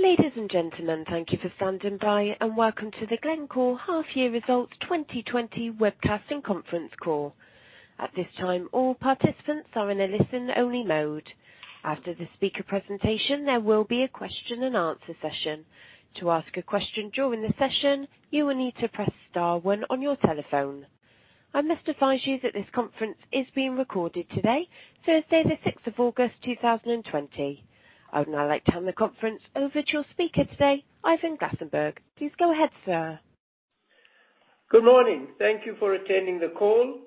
Ladies and gentlemen, thank you for standing by and welcome to the Glencore half year results 2020 webcast and conference call. At this time, all participants are in a listen-only mode. After the speaker presentation, there will be a question and answer session. To ask a question during the session, you will need to press star one on your telephone. I must advise you that this conference is being recorded today, Thursday, the 6th of August 2020. I would now like to turn the conference over to your speaker today, Ivan Glasenberg. Please go ahead, sir. Good morning. Thank you for attending the call.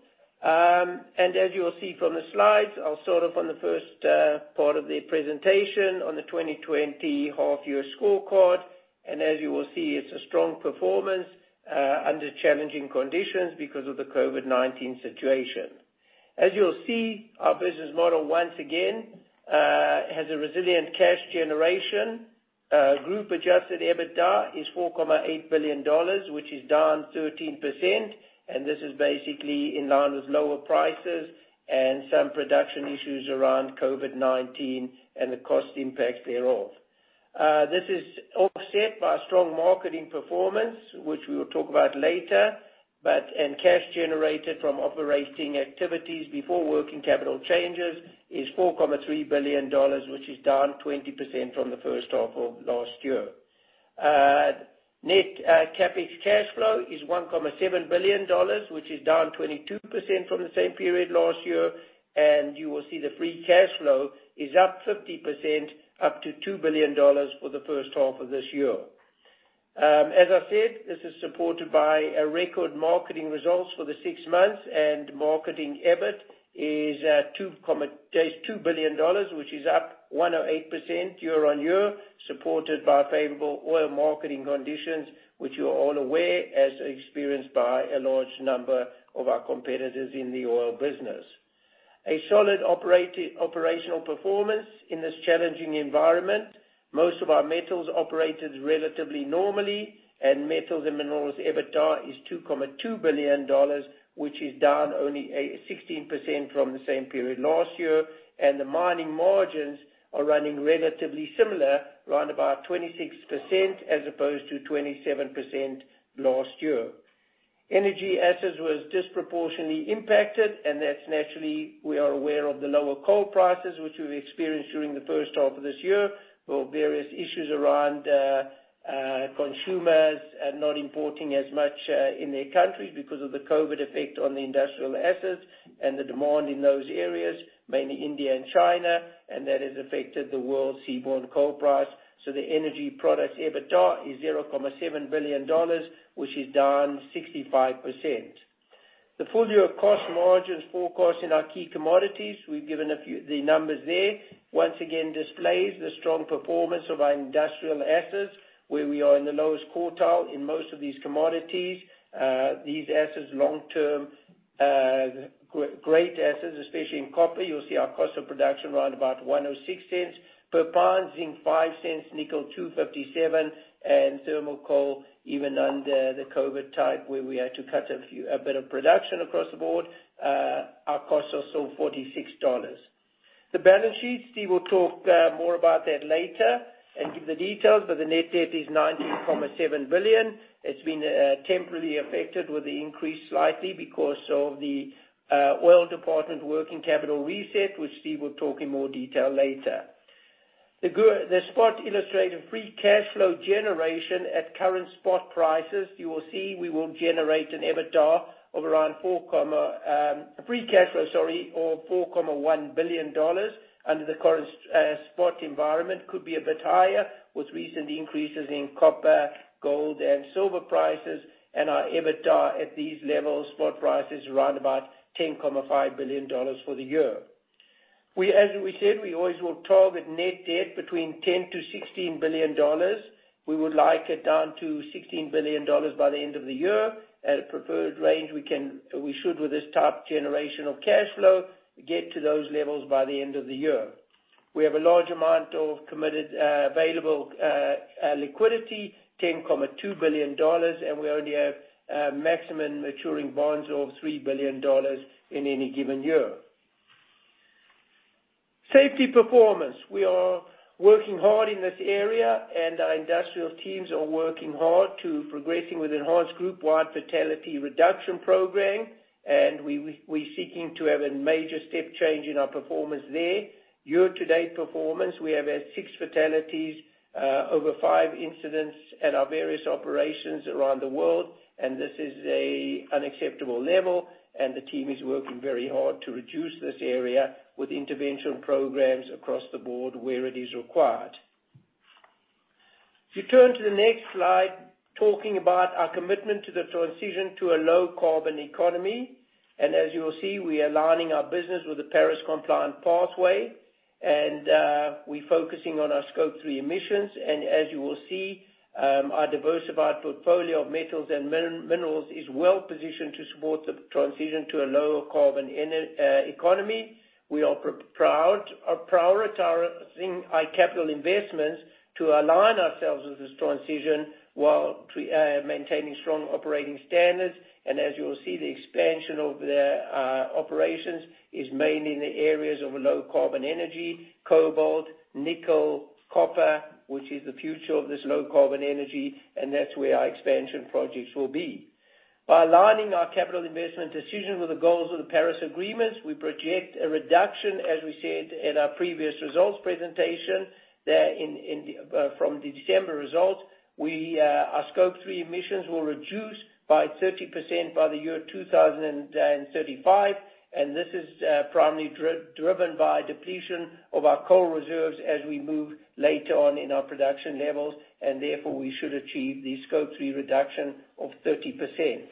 As you will see from the slides, I'll start off on the first part of the presentation on the 2020 half-year scorecard. As you will see, it's a strong performance under challenging conditions because of the COVID-19 situation. As you'll see, our business model, once again, has a resilient cash generation. Group-adjusted EBITDA is $4.8 billion, which is down 13%. This is basically in line with lower prices and some production issues around COVID-19 and the cost impacts thereof. This is offset by strong marketing performance, which we will talk about later. Cash generated from operating activities before working capital changes is $4.3 billion, which is down 20% from the first half of last year. Net CapEx cash flow is $1.7 billion, which is down 22% from the same period last year, and you will see the free cash flow is up 50%, up to $2 billion for the first half of this year. As I said, this is supported by record marketing results for the six months, and marketing EBIT is $2 billion, which is up 108% year-on-year, supported by favorable oil marketing conditions, which you are all aware as experienced by a large number of our competitors in the oil business. A solid operational performance in this challenging environment. Most of our metals operated relatively normally, and metals and minerals EBITDA is $2.2 billion, which is down only 16% from the same period last year. The mining margins are running relatively similar, around about 26% as opposed to 27% last year. Energy assets was disproportionately impacted, and that's naturally we are aware of the lower coal prices, which we've experienced during the first half of this year, or various issues around consumers not importing as much in their countries because of the COVID effect on the industrial assets and the demand in those areas, mainly India and China, and that has affected the world seaborne coal price. The energy product's EBITDA is $0.7 billion, which is down 65%. The full-year cost margins forecast in our key commodities, we've given a few the numbers there. Once again, displays the strong performance of our industrial assets, where we are in the lowest quartile in most of these commodities. These assets long-term, great assets, especially in copper. You'll see our cost of production around about $1.06 per pound, zinc $0.05, nickel $2.57, thermal coal, even under the COVID type, where we had to cut a bit of production across the board, our costs are still $46. The balance sheet, Steve will talk more about that later and give the details, the net debt is $19.7 billion. It's been temporarily affected with the increase slightly because of the oil department working capital reset, which Steve will talk in more detail later. The spot illustrated free cash flow generation at current spot prices. You will see we will generate an EBITDA of around free cash flow, sorry, of $4.1 billion under the current spot environment. Could be a bit higher with recent increases in copper, gold, and silver prices and our EBITDA at these levels, spot prices around about $10.5 billion for the year. As we said, we always will target net debt between $10 billion-$16 billion. We would like it down to $16 billion by the end of the year. At a preferred range, we should with this type generation of cash flow, get to those levels by the end of the year. We have a large amount of committed available liquidity, $10.2 billion, and we only have maximum maturing bonds of $3 billion in any given year. Safety performance. We are working hard in this area, and our industrial teams are working hard to progressing with enhanced group-wide fatality reduction program, and we're seeking to have a major step change in our performance there. Year-to-date performance, we have had six fatalities over five incidents at our various operations around the world, this is a unacceptable level, the team is working very hard to reduce this area with intervention programs across the board where it is required. If you turn to the next slide, talking about our commitment to the transition to a low carbon economy. As you will see, we are aligning our business with the Paris compliant pathway, we're focusing on our Scope 3 emissions. As you will see, our diversified portfolio of metals and minerals is well-positioned to support the transition to a lower carbon economy. We are prioritizing our capital investments to align ourselves with this transition while maintaining strong operating standards. As you will see, the expansion of the operations is mainly in the areas of low carbon energy, cobalt, nickel, copper, which is the future of this low carbon energy, and that's where our expansion projects will be. By aligning our capital investment decisions with the goals of the Paris Agreement, we project a reduction, as we said in our previous results presentation, from the December results, our Scope 3 emissions will reduce by 30% by the year 2035. This is primarily driven by depletion of our coal reserves as we move later on in our production levels. Therefore, we should achieve the Scope 3 reduction of 30%.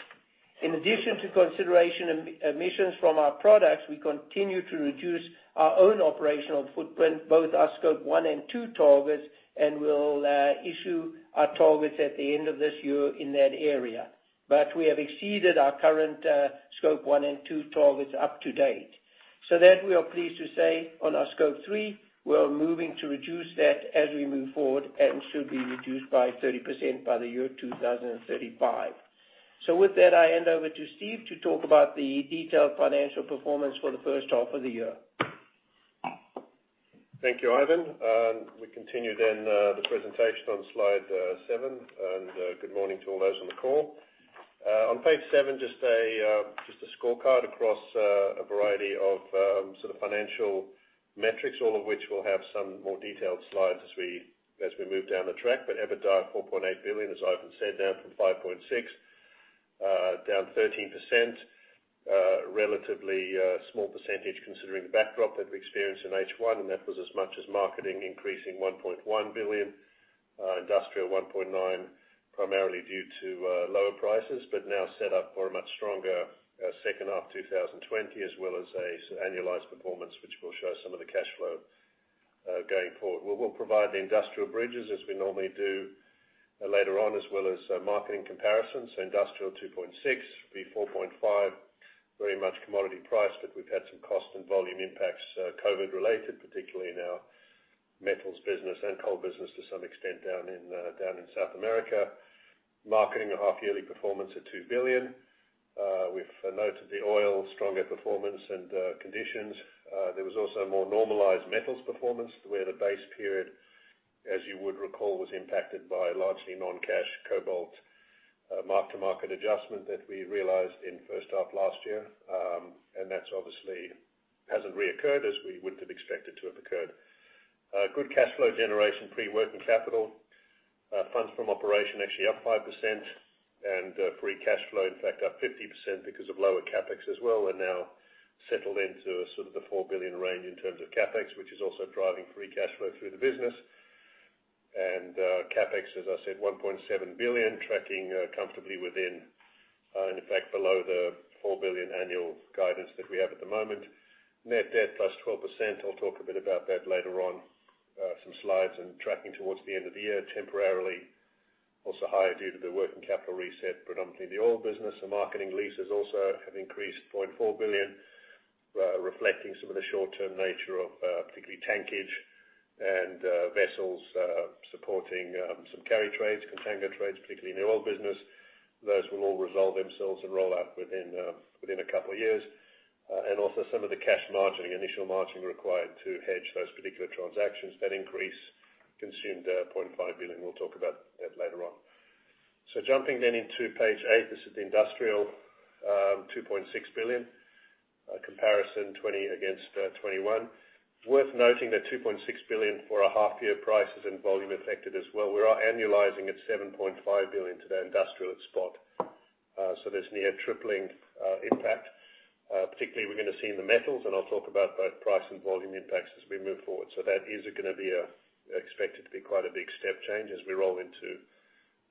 In addition to consideration emissions from our products, we continue to reduce our own operational footprint, both our Scope 1 and 2 targets. We'll issue our targets at the end of this year in that area. We have exceeded our current Scope 1 and 2 targets up to date. That we are pleased to say on our Scope 3, we are moving to reduce that as we move forward and should be reduced by 30% by the year 2035. With that, I hand over to Steve to talk about the detailed financial performance for the first half of the year. Thank you, Ivan. We continue the presentation on slide seven. Good morning to all those on the call. On page seven, just a scorecard across a variety of financial metrics, all of which we'll have some more detailed slides as we move down the track. EBITDA $4.8 billion, as Ivan said, down from $5.6, down 13%. A relatively small percentage considering the backdrop that we experienced in H1, that was as much as marketing increasing $1.1 billion, industrial $1.9, primarily due to lower prices, now set up for a much stronger second half 2020 as well as an annualized performance, which will show some of the cash flow going forward. We'll provide the industrial bridges as we normally do later on, as well as marketing comparisons. Industrial 2.6, V4.5, very much commodity price. We've had some cost and volume impacts COVID related, particularly in our metals business and coal business to some extent down in South America. Marketing a half-yearly performance at $2 billion. We've noted our oil, stronger performance and conditions. There was also a more normalized metals performance where the base period, as you would recall, was impacted by largely non-cash cobalt mark-to-market adjustment that we realized in first half last year. That's obviously hasn't reoccurred as we would have expected to have occurred. Good cash flow generation, pre-working capital. Funds from operation actually up 5%. Free cash flow, in fact, up 50% because of lower CapEx as well. We're now settled into sort of the $4 billion range in terms of CapEx, which is also driving free cash flow through the business. CapEx, as I said, $1.7 billion, tracking comfortably within, and in fact below the $4 billion annual guidance that we have at the moment. Net debt +12%. I'll talk a bit about that later on some slides and tracking towards the end of the year, temporarily. Also higher due to the working capital reset, predominantly the oil business. The marketing leases also have increased $0.4 billion, reflecting some of the short-term nature of particularly tankage and vessels supporting some carry trades, contango trades, particularly in the oil business. Those will all resolve themselves and roll out within a couple of years. Also some of the cash margining, initial margining required to hedge those particular transactions, that increase consumed $0.5 billion. We'll talk about that later on. Jumping then into page eight, this is the industrial $2.6 billion comparison, 2020 against 2021. It's worth noting that $2.6 billion for a half year prices and volume affected as well. We are annualizing at $7.5 billion to the industrial at spot. There's near tripling impact. Particularly, we're going to see in the metals, and I'll talk about both price and volume impacts as we move forward. That is going to be expected to be quite a big step change as we roll into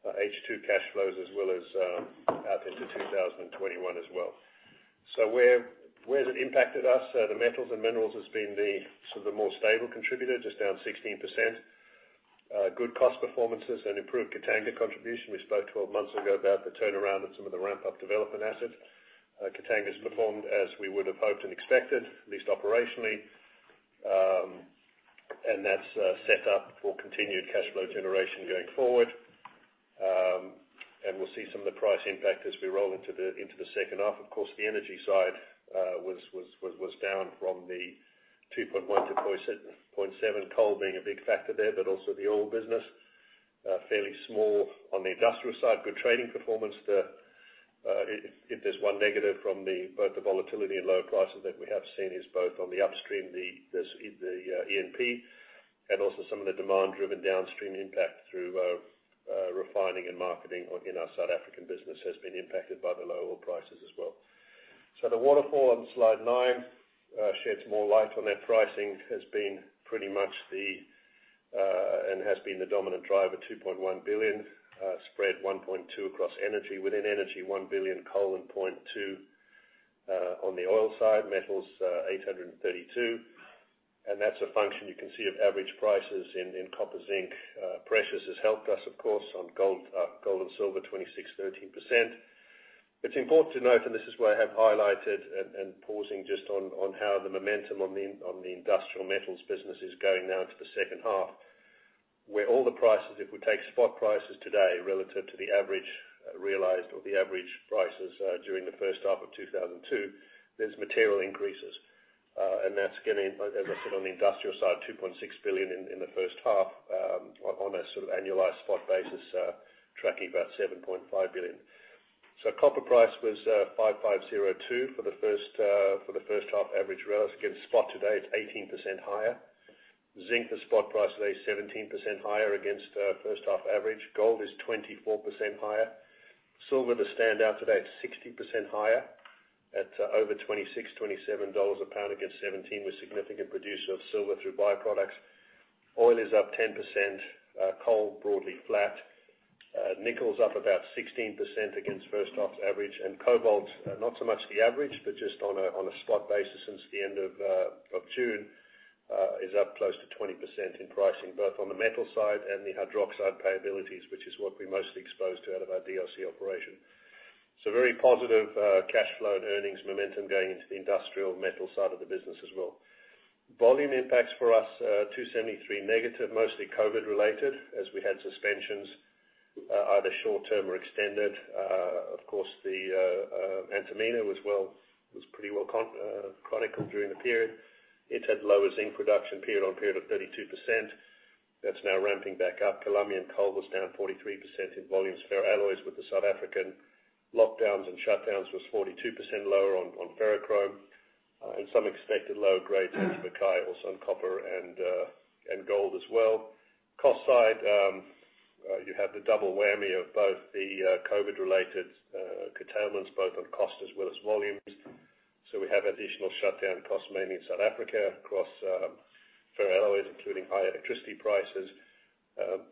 H2 cash flows as well as out into 2021 as well. Where's it impacted us? The metals and minerals has been the more stable contributor, just down 16%. Good cost performances and improved Katanga contribution. We spoke 12 months ago about the turnaround of some of the ramp-up development assets. Katanga's performed as we would have hoped and expected, at least operationally. That's set up for continued cash flow generation going forward. We'll see some of the price impact as we roll into the second half. Of course, the energy side was down from the $2.1 to $0.7. Coal being a big factor there, but also the oil business. Fairly small on the industrial side. Good trading performance there. If there's one negative from both the volatility and low prices that we have seen is both on the upstream, the E&P, and also some of the demand-driven downstream impact through refining and marketing in our South African business has been impacted by the low oil prices as well. The waterfall on slide nine sheds more light on that pricing and has been the dominant driver, $2.1 billion. Spread $1.2 across energy. Within energy, $1 billion, Coal and $0.2 on the oil side. Metals, $832. That's a function you can see of average prices in Copper, Zinc. Precious has helped us, of course, on gold and silver, 2,613%. It's important to note, this is where I have highlighted and pausing just on how the momentum on the industrial metals business is going now into the second half, where all the prices, if we take spot prices today relative to the average realized or the average prices during the first half of 2020, there's material increases. That's getting, as I said, on the industrial side, $2.6 billion in the first half on a sort of annualized spot basis, tracking about $7.5 billion. Copper price was $5,502 for the first half average. Whereas, again, spot today, it's 18% higher. Zinc, the spot price today is 17% higher against first half average. Gold is 24% higher. Silver, the standout today, it's 60% higher at over $26, $27 a pound against $17, with significant producer of silver through by-products. Oil is up 10%, coal broadly flat. Nickel's up about 16% against first half's average. Cobalt, not so much the average, but just on a spot basis since the end of June, is up close to 20% in pricing, both on the metal side and the hydroxide payabilities, which is what we mostly exposed to out of our DRC operation. Very positive cash flow and earnings momentum going into the industrial metal side of the business as well. Volume impacts for us, -273, mostly COVID related as we had suspensions, either short-term or extended. Of course, the Antamina was pretty well chronicled during the period. It had lower zinc production period on period of 32%. That's now ramping back up. Colombian coal was down 43% in volumes. Ferro alloys with the South African lockdowns and shutdowns was 42% lower on ferrochrome. Some expected lower grades at Mukai, also on copper and gold as well. Cost side, you have the double whammy of both the COVID related curtailments, both on cost as well as volumes. We have additional shutdown costs, mainly in South Africa across ferro alloys, including high electricity prices.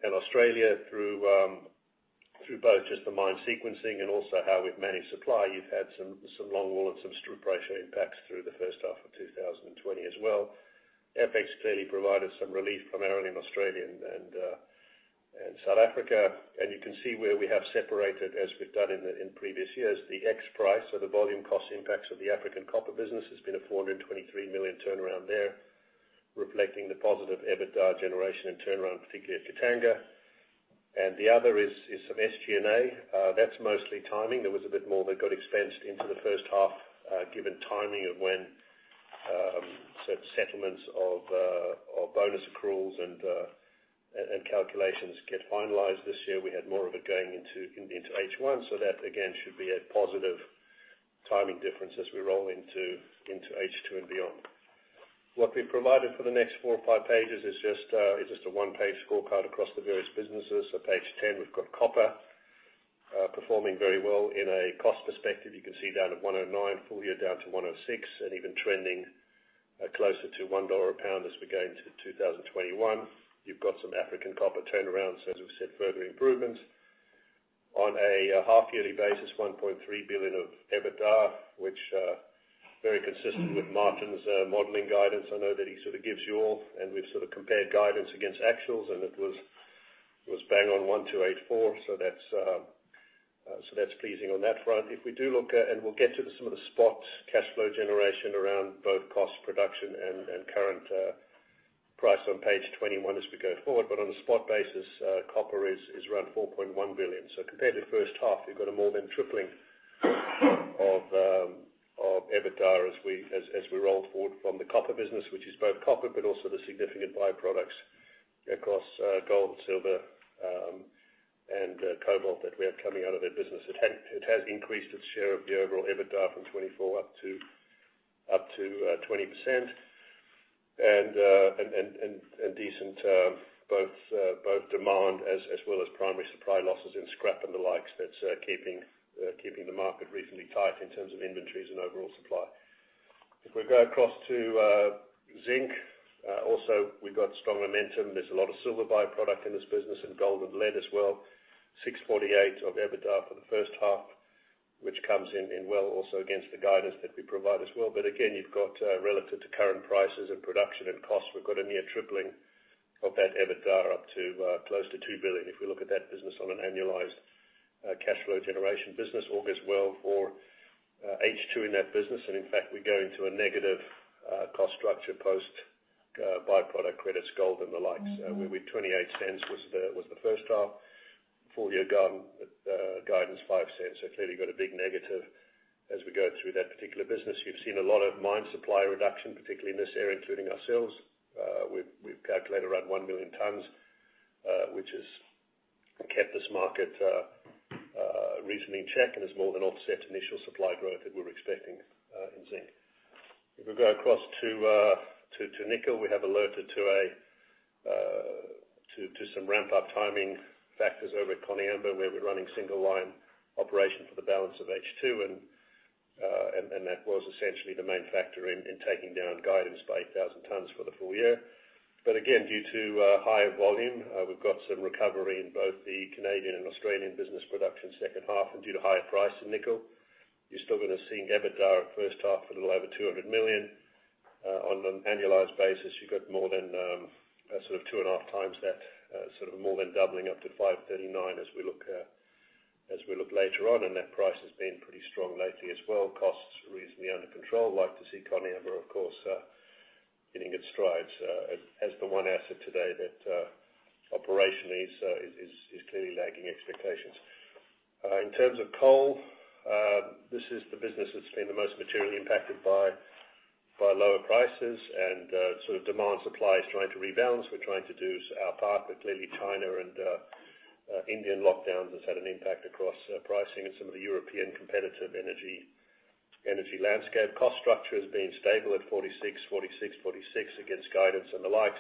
In Australia through both just the mine sequencing and also how we've managed supply. You've had some long wall and some strip ratio impacts through the first half of 2020 as well. FX clearly provided some relief primarily in Australia and South Africa. You can see where we have separated, as we've done in previous years, the X price or the volume cost impacts of the African copper business has been a $423 million turnaround there, reflecting the positive EBITDA generation and turnaround, particularly at Katanga. The other is some SG&A. That's mostly timing. There was a bit more that got expensed into the first half, given timing of when settlements of bonus accruals and calculations get finalized. This year, we had more of it going into H1, that again should be a positive timing difference as we roll into H2 and beyond. What we've provided for the next four or five pages is just a one-page scorecard across the various businesses. Page 10, we've got copper, performing very well in a cost perspective. You can see down at 109 full year down to 106 and even trending closer to $1 a pound as we go into 2021. You've got some African copper turnarounds, as we've said, further improvements. On a half yearly basis, $1.3 billion of EBITDA, which, very consistent with Martin's modeling guidance. I know that he sort of gives you all, and we've sort of compared guidance against actuals, and it was bang on 1,284. That's pleasing on that front. If we do look at, and we'll get to some of the spot cash flow generation around both cost production and current price on page 21 as we go forward. On a spot basis, copper is around $4.1 billion. Compared to first half, you've got a more than tripling of EBITDA as we roll forward from the copper business, which is both copper but also the significant by-products across gold, silver, and cobalt that we have coming out of that business. It has increased its share of the overall EBITDA from 24 up to 20%. A decent both demand as well as primary supply losses in scrap and the likes that's keeping the market reasonably tight in terms of inventories and overall supply. If we go across to zinc, also, we've got strong momentum. There's a lot of silver by-product in this business and gold and lead as well. $648 of EBITDA for the first half, which comes in well also against the guidance that we provide as well. Again, you've got relative to current prices and production and costs. We've got a near tripling of that EBITDA up to close to $2 billion if we look at that business on an annualized cash flow generation business, augurs well for H2 in that business. In fact, we go into a negative cost structure post by-product credits, gold and the likes, where $0.28 was the first half. Full year guidance, $0.05. Clearly got a big negative as we go through that particular business. You've seen a lot of mine supply reduction, particularly in this area, including ourselves. We've calculated around 1 million tons, which has kept this market reasonably in check and has more than offset initial supply growth that we're expecting in zinc. If we go across to nickel, we have alerted to some ramp up timing factors over at Koniambo, where we're running single line operation for the balance of H2. That was essentially the main factor in taking down guidance by 1,000 tons for the full year. Again, due to higher volume, we've got some recovery in both the Canadian and Australian business production second half and due to higher price in nickel. You're still going to see EBITDA at first half a little over $200 million. On an annualized basis, you've got more than sort of 2.5x that, sort of more than doubling up to $539 million as we look later on, and that price has been pretty strong lately as well. Costs are reasonably under control. Like to see Koniambo, of course, getting good strides, as the one asset today that operationally is clearly lagging expectations. In terms of coal, this is the business that's been the most materially impacted by lower prices and demand supply is trying to rebalance. Clearly China and Indian lockdowns has had an impact across pricing and some of the European competitive energy landscape. Cost structure has been stable at 46, 46 against guidance and the like,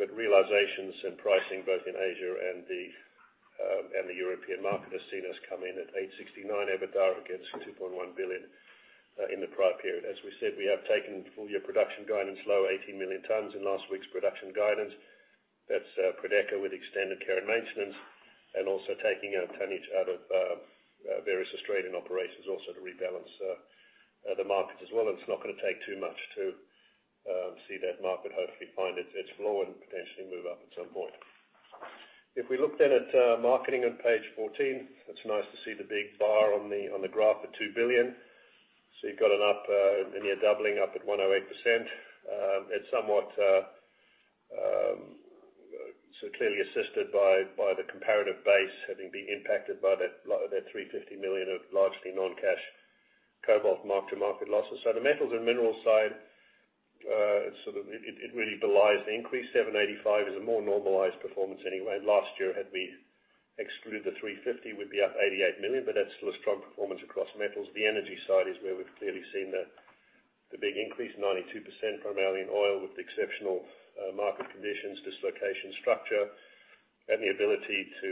but realizations and pricing both in Asia and the European market has seen us come in at $869 EBITDA against $2.1 billion in the prior period. As we said, we have taken full year production guidance low 18 million tons in last week's production guidance. That's Prodeco with extended care and maintenance, and also taking a tonnage out of various Australian operations also to rebalance the market as well, and it's not going to take too much to see that market hopefully find its flow and potentially move up at some point. If we look then at marketing on page 14, it's nice to see the big bar on the graph at $2 billion. You've got it up, near doubling up at 108%. It's somewhat clearly assisted by the comparative base having been impacted by that $350 million of largely non-cash cobalt mark to market losses. The metals and minerals side, it really belies the increase. $785 is a more normalized performance anyway. Last year had we excluded the $350, would be up $88 million, but that's still a strong performance across metals. The energy side is where we've clearly seen the big increase, 92% from our oil with exceptional market conditions, dislocation structure, and the ability to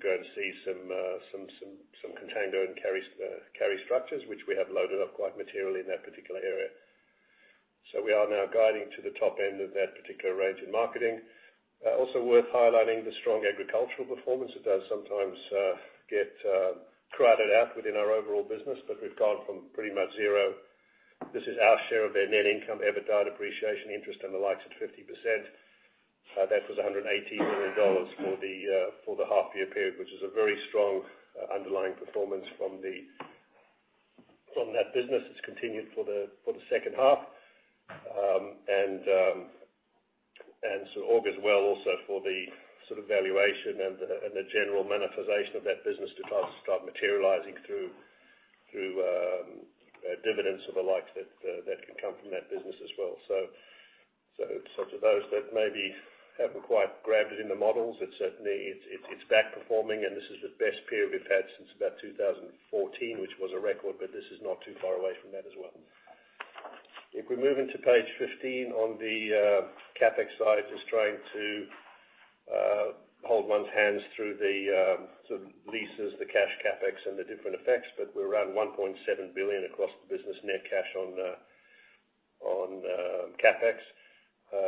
go and see some contango and carry structures, which we have loaded up quite materially in that particular area. We are now guiding to the top end of that particular range in marketing. Also worth highlighting the strong agricultural performance. It does sometimes get crowded out within our overall business, but we've gone from pretty much zero. This is our share of their net income, EBITDA, depreciation interest and the likes at 50%. That was $118 million for the half year period, which is a very strong underlying performance from that business. It's continued for the second half. Augurs well also for the sort of valuation and the general monetization of that business to start materializing through dividends or the like that can come from that business as well. To those that maybe haven't quite grabbed it in the models, it certainly is back performing and this is the best period we've had since about 2014, which was a record, but this is not too far away from that as well. If we move into page 15 on the CapEx side, just trying to hold one's hands through the leases, the cash CapEx and the different effects, we're around $1.7 billion across the business, net cash on CapEx.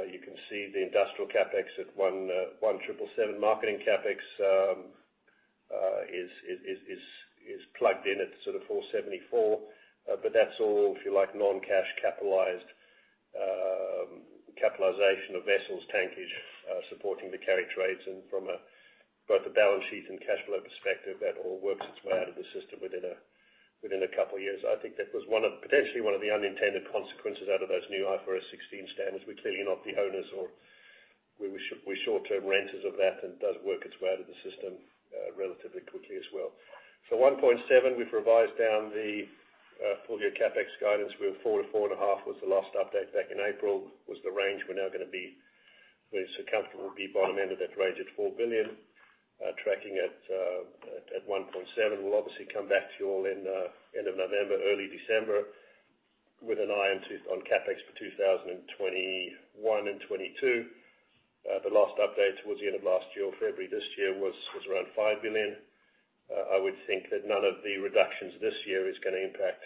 You can see the industrial CapEx at $1,777. Marketing CapEx is plugged in at $474. That's all, if you like, non-cash capitalized capitalization of vessels, tankage, supporting the carriage rates and from both a balance sheet and cash flow perspective, that all works its way out of the system within a couple of years. I think that was potentially one of the unintended consequences out of those new IFRS 16 standards. We're clearly not the owners or we're short-term renters of that and does work its way out of the system relatively quickly as well. $1.7, we've revised down the full year CapEx guidance. We were $4 billion-$4.5 billion was the last update back in April, was the range. We're now going to be comfortable be bottom end of that range at $4 billion. Tracking at $1.7. We'll obviously come back to you all in end of November, early December with an eye on CapEx for 2021 and 2022. The last update towards the end of last year or February this year was around $5 billion. I would think that none of the reductions this year is going to impact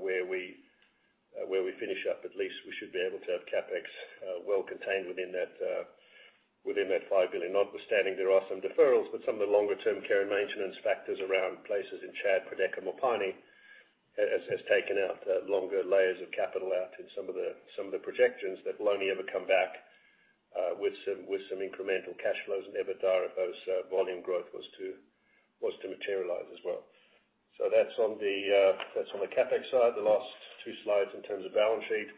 where we finish up. At least we should be able to have CapEx well contained within that $5 billion. Notwithstanding there are some deferrals, some of the longer term care and maintenance factors around places in Chad, Prodeco, Mopani, has taken out longer layers of capital out in some of the projections that will only ever come back with some incremental cash flows and EBITDA if those volume growth was to materialize as well. That's on the CapEx side. The last two slides in terms of balance sheet.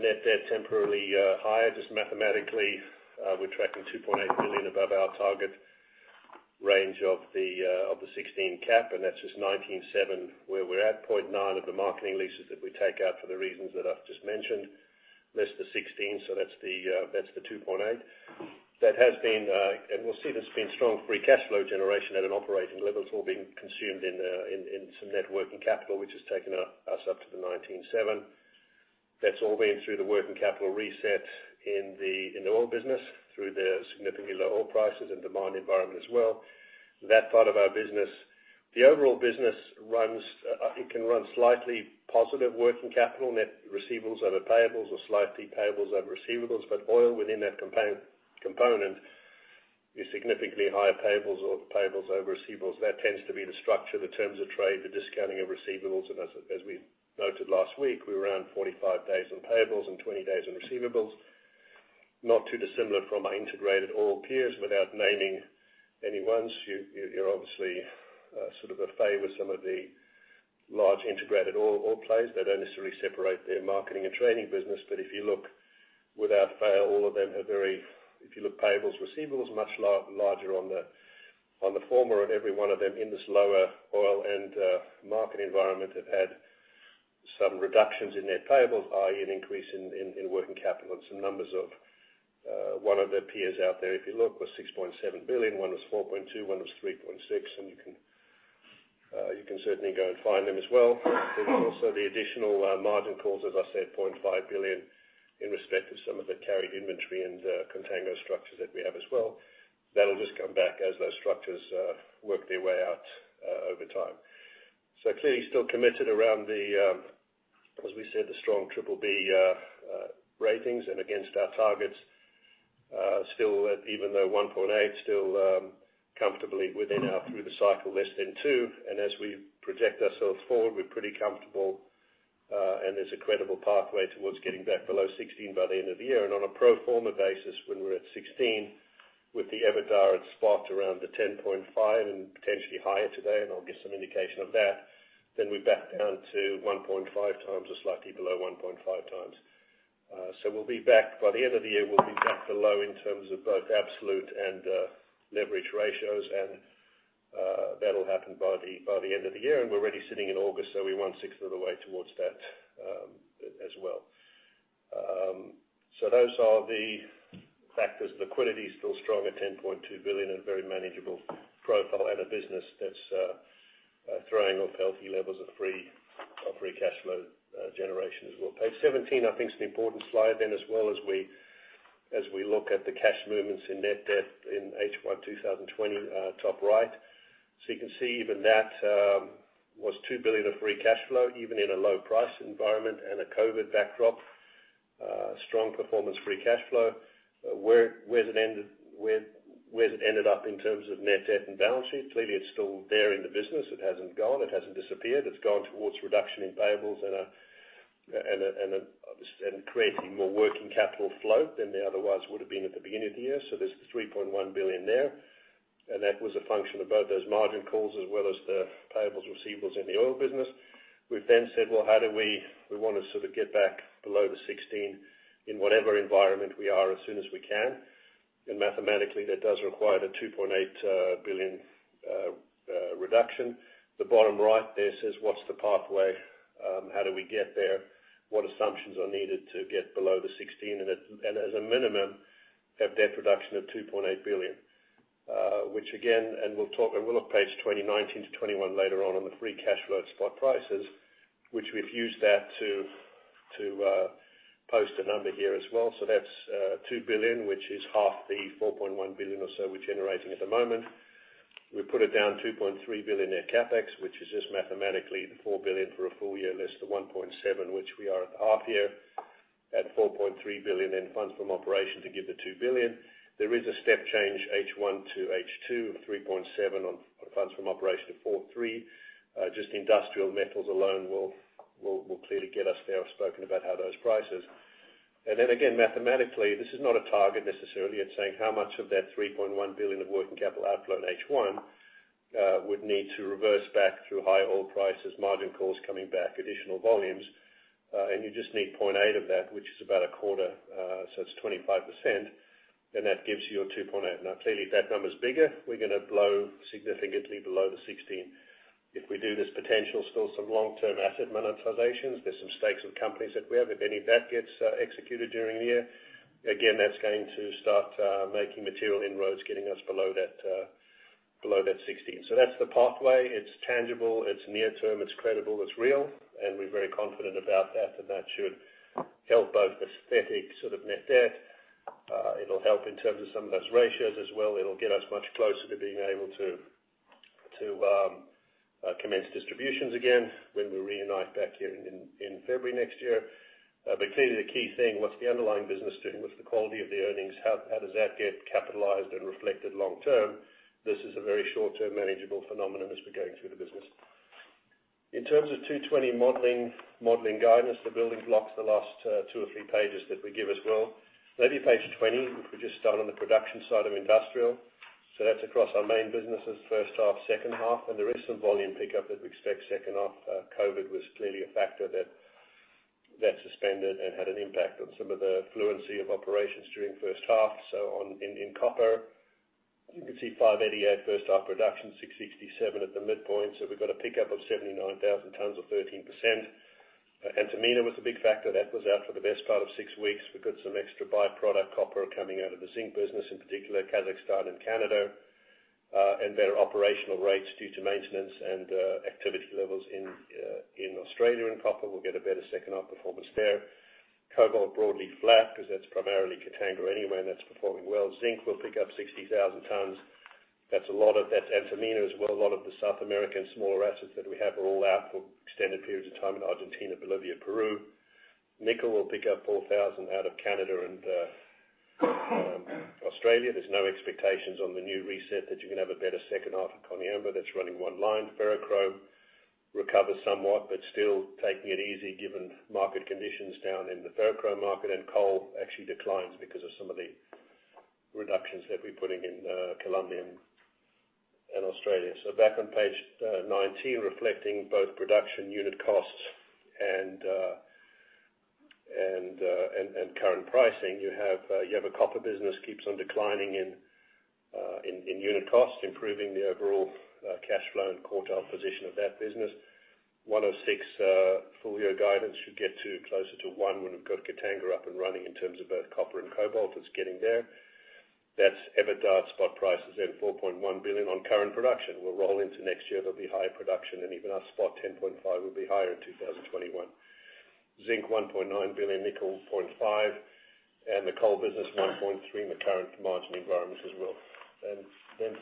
Net debt temporarily higher. Just mathematically, we're tracking $2.8 billion above our target range of the 16 cap, and that's just 19.7, where we're at 0.9 of the marketing leases that we take out for the reasons that I've just mentioned. Less the 16, that's the $2.8. We'll see there's been strong free cash flow generation at an operating level. It's all been consumed in some net working capital, which has taken us up to the $19.7. That's all been through the working capital reset in the oil business through the significantly low oil prices and demand environment as well. That part of our business. The overall business, it can run slightly positive working capital, net receivables over payables or slightly payables over receivables, but oil within that component is significantly higher payables or payables over receivables. That tends to be the structure, the terms of trade, the discounting of receivables. As we noted last week, we were around 45 days on payables and 20 days on receivables. Not too dissimilar from our integrated oil peers without naming any ones. You obviously sort of favor some of the large integrated oil plays that don't necessarily separate their marketing and trading business. If you look without fail, all of them have very If you look payables, receivables, much larger on the former of every one of them in this lower oil and market environment have had some reductions in their payables, i.e., an increase in working capital. Some numbers of one of their peers out there, if you look, was $6.7 billion, one was $4.2 billion, one was $3.6 billion, and you can certainly go and find them as well. There's also the additional margin calls, as I said, $0.5 billion in respect to some of the carried inventory and container structures that we have as well. That'll just come back as those structures work their way out over time. Clearly still committed around the, as we said, the strong BBB ratings and against our targets. Even though 1.8 still comfortably within our through the cycle less than two, as we project ourselves forward, we're pretty comfortable, there's a credible pathway towards getting back below 16 by the end of the year. On a pro forma basis, when we're at 16 with the EBITDA at spot around the 10.5 and potentially higher today, and I'll give some indication of that, then we're back down to 1.5x or slightly below 1.5x. By the end of the year, we'll be back below in terms of both absolute and leverage ratios. That'll happen by the end of the year. We're already sitting in August, so we're one-sixth of the way towards that as well. Those are the factors. Liquidity is still strong at $10.2 billion and very manageable profile and a business that's throwing off healthy levels of free cash flow generation as well. Page 17, I think, is an important slide then as well as we look at the cash movements in net debt in H1 2020, top right. You can see even that was $2 billion of free cash flow, even in a low price environment and a COVID backdrop. Strong performance free cash flow. Where has it ended up in terms of net debt and balance sheet? Clearly, it's still there in the business. It hasn't gone. It hasn't disappeared. It's gone towards reduction in payables and creating more working capital flow than there otherwise would have been at the beginning of the year. There's $3.1 billion there, and that was a function of both those margin calls as well as the payables, receivables in the oil business. We've then said, "Well, how do we want to sort of get back below the 16 in whatever environment we are as soon as we can?" Mathematically, that does require the $2.8 billion reduction. The bottom right there says, what's the pathway? How do we get there? What assumptions are needed to get below the 16? As a minimum, have debt reduction of $2.8 billion. Which again, and we'll look page 20, 19 to 21 later on on the free cash flow spot prices, which we've used that to post a number here as well. That's $2 billion, which is half the $4.1 billion or so we're generating at the moment. We put it down $2.3 billion net CapEx, which is just mathematically the $4 billion for a full year less the $1.7 billion, which we are at the half year at $4.3 billion in funds from operation to give the $2 billion. There is a step change H1 to H2 of $3.7 billion on funds from operation of $4.3 billion. Just industrial metals alone will clearly get us there. I've spoken about how those prices. Again, mathematically, this is not a target necessarily. It's saying how much of that $3.1 billion of working capital outflow in H1 would need to reverse back through high oil prices, margin calls coming back, additional volumes. You just need $0.8 billion of that, which is about a quarter, that's 25%, that gives you a $2.8 billion. Clearly, if that number is bigger, we're going to blow significantly below the 16. If we do this potential, still some long-term asset monetizations. There's some stakes in companies that we have. If any of that gets executed during the year, again, that's going to start making material inroads, getting us below that 16. That's the pathway. It's tangible, it's near-term, it's credible, it's real, and we're very confident about that should help both aesthetic sort of net debt. It'll help in terms of some of those ratios as well. It'll get us much closer to being able to commence distributions again when we reignite back here in February next year. Clearly, the key thing, what's the underlying business doing? What's the quality of the earnings? How does that get capitalized and reflected long term? This is a very short-term manageable phenomenon as we're going through the business. In terms of 2020 modeling guidance, the building blocks the last two or three pages that we give as well. Maybe page 20, which we just start on the production side of industrial. That's across our main businesses, first half, second half, and there is some volume pickup that we expect second half. COVID was clearly a factor that suspended and had an impact on some of the fluency of operations during the first half. In copper, you can see 588 first-half production, 667 at the midpoint. We've got a pickup of 79,000 tons of 13%. Antamina was a big factor. That was out for the best part of six weeks. We've got some extra by-product copper coming out of the zinc business, in particular Kazakhstan and Canada, and better operational rates due to maintenance and activity levels in Australia in copper. We'll get a better second-half performance there. cobalt broadly flat because that's primarily Katanga anyway, and that's performing well. Zinc will pick up 60,000 tons. That's Antamina as well. A lot of the South American smaller assets that we have are all out for extended periods of time in Argentina, Bolivia, Peru. Nickel will pick up 4,000 out of Canada and Australia, there's no expectations on the new reset that you're going to have a better second half at Koniambo that's running one line. ferrochrome recovered somewhat, but still taking it easy given market conditions down in the ferrochrome market, and coal actually declines because of some of the reductions that we're putting in Colombia and Australia. Back on page 19, reflecting both production unit costs and current pricing, you have a copper business keeps on declining in unit cost, improving the overall cash flow and quartile position of that business. 106 full year guidance should get to closer to one when we've got Katanga up and running in terms of both copper and cobalt. That's EBITDA spot prices at $4.1 billion on current production. We'll roll into next year, there'll be higher production, and even our spot $10.5 will be higher in 2021. Zinc, $1.9 billion, nickel, $0.5, and the coal business $1.3 in the current margin environments as well.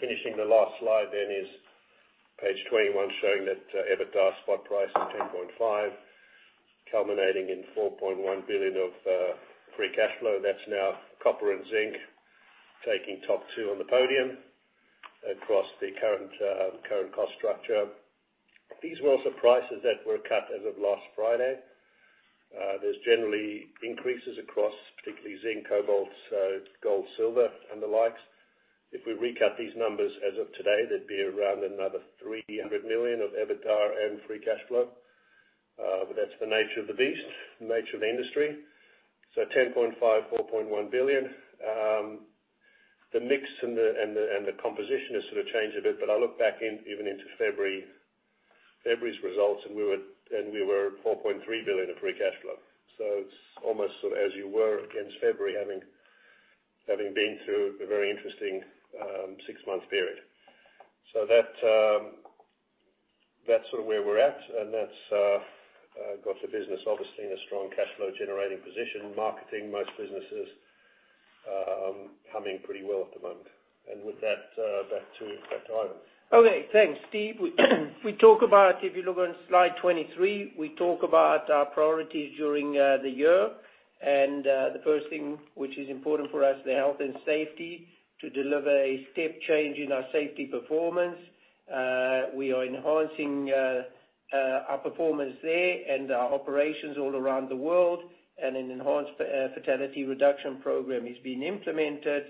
Finishing the last slide then is page 21 showing that EBITDA spot price of $10.5 culminating in $4.1 billion of free cash flow. That's now copper and zinc taking top two on the podium across the current cost structure. These were also prices that were cut as of last Friday. There's generally increases across particularly zinc, cobalt, gold, silver, and the likes. If we recut these numbers as of today, there'd be around another $300 million of EBITDA and free cash flow. That's the nature of the beast, nature of the industry. $10.5 billion, $4.1 billion. The mix and the composition has sort of changed a bit, but I look back even into February's results, and we were $4.3 billion of free cash flow. It's almost as you were against February, having been through a very interesting six-month period. That's sort of where we're at, and that's got the business obviously in a strong cash flow generating position, marketing most businesses, humming pretty well at the moment. With that, back to Ivan. Okay, thanks, Steve. If you look on slide 23, we talk about our priorities during the year. The first thing which is important for us, the health and safety, to deliver a step change in our safety performance. We are enhancing our performance there and our operations all around the world. An enhanced fatality reduction program is being implemented.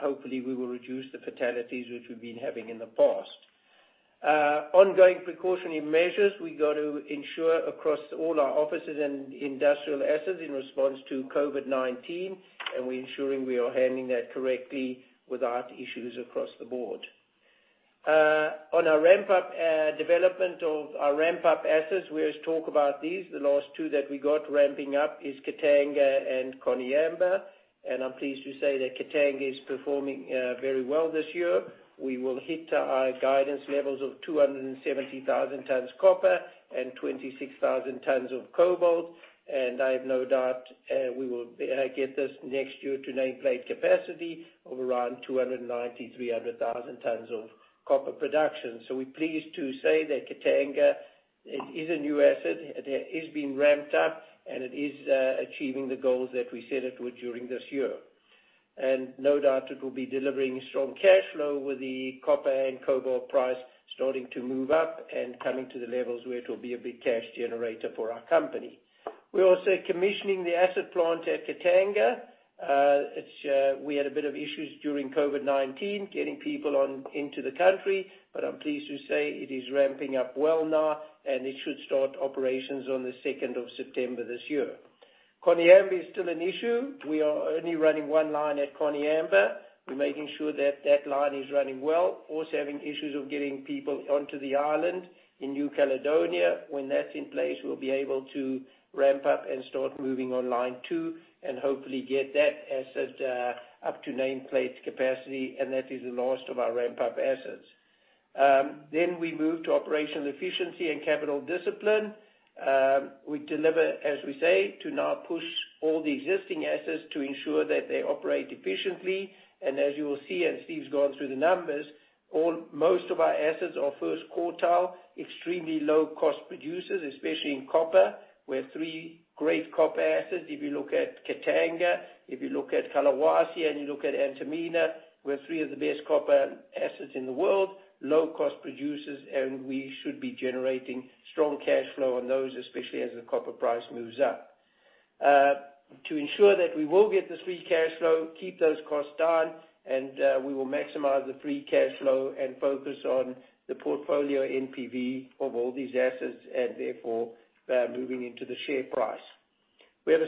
Hopefully, we will reduce the fatalities which we've been having in the past. Ongoing precautionary measures, we got to ensure across all our offices and industrial assets in response to COVID-19. We're ensuring we are handling that correctly without issues across the board. On our ramp-up development of our ramp-up assets, we always talk about these. The last two that we got ramping up is Katanga and Koniambo. I'm pleased to say that Katanga is performing very well this year. We will hit our guidance levels of 270,000 tons copper and 26,000 tons of cobalt. I have no doubt, we will get this next year to nameplate capacity of around 290,000 tons-300,000 tons of copper production. We're pleased to say that Katanga is a new asset. It is being ramped up, and it is achieving the goals that we set it would during this year. No doubt it will be delivering strong cash flow with the copper and cobalt price starting to move up and coming to the levels where it will be a big cash generator for our company. We're also commissioning the acid plant at Katanga. We had a bit of issues during COVID-19, getting people into the country, but I'm pleased to say it is ramping up well now, and it should start operations on the 2nd of September this year. Koniambo is still an issue. We are only running one line at Koniambo. We're making sure that that line is running well. Also having issues of getting people onto the island in New Caledonia. When that's in place, we'll be able to ramp up and start moving on line two and hopefully get that asset up to nameplate capacity, and that is the last of our ramp-up assets. We move to operational efficiency and capital discipline. We deliver, as we say, to now push all the existing assets to ensure that they operate efficiently. As you will see, and Steve's gone through the numbers, most of our assets are first quartile, extremely low-cost producers, especially in copper. We have three great copper assets. If you look at Katanga, if you look at Kolwezi, you look at Antamina, we have three of the best copper assets in the world, low-cost producers, we should be generating strong cash flow on those, especially as the copper price moves up. To ensure that we will get this free cash flow, keep those costs down, we will maximize the free cash flow focus on the portfolio NPV of all these assets and therefore moving into the share price. We have a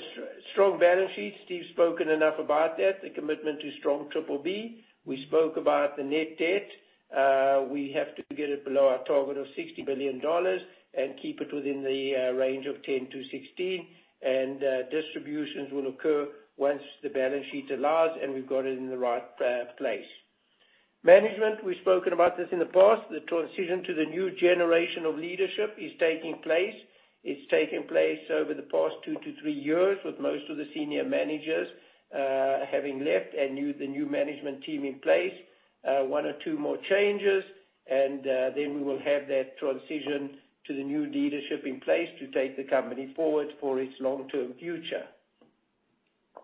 strong balance sheet. Steve's spoken enough about that, the commitment to strong BBB. We spoke about the net debt. We have to get it below our target of $60 billion and keep it within the range of 10 to 16. Distributions will occur once the balance sheet allows, we've got it in the right place. Management, we've spoken about this in the past. The transition to the new generation of leadership is taking place. It's taken place over the past two to three years, with most of the senior managers having left and the new management team in place. One or two more changes, and then we will have that transition to the new leadership in place to take the company forward for its long-term future.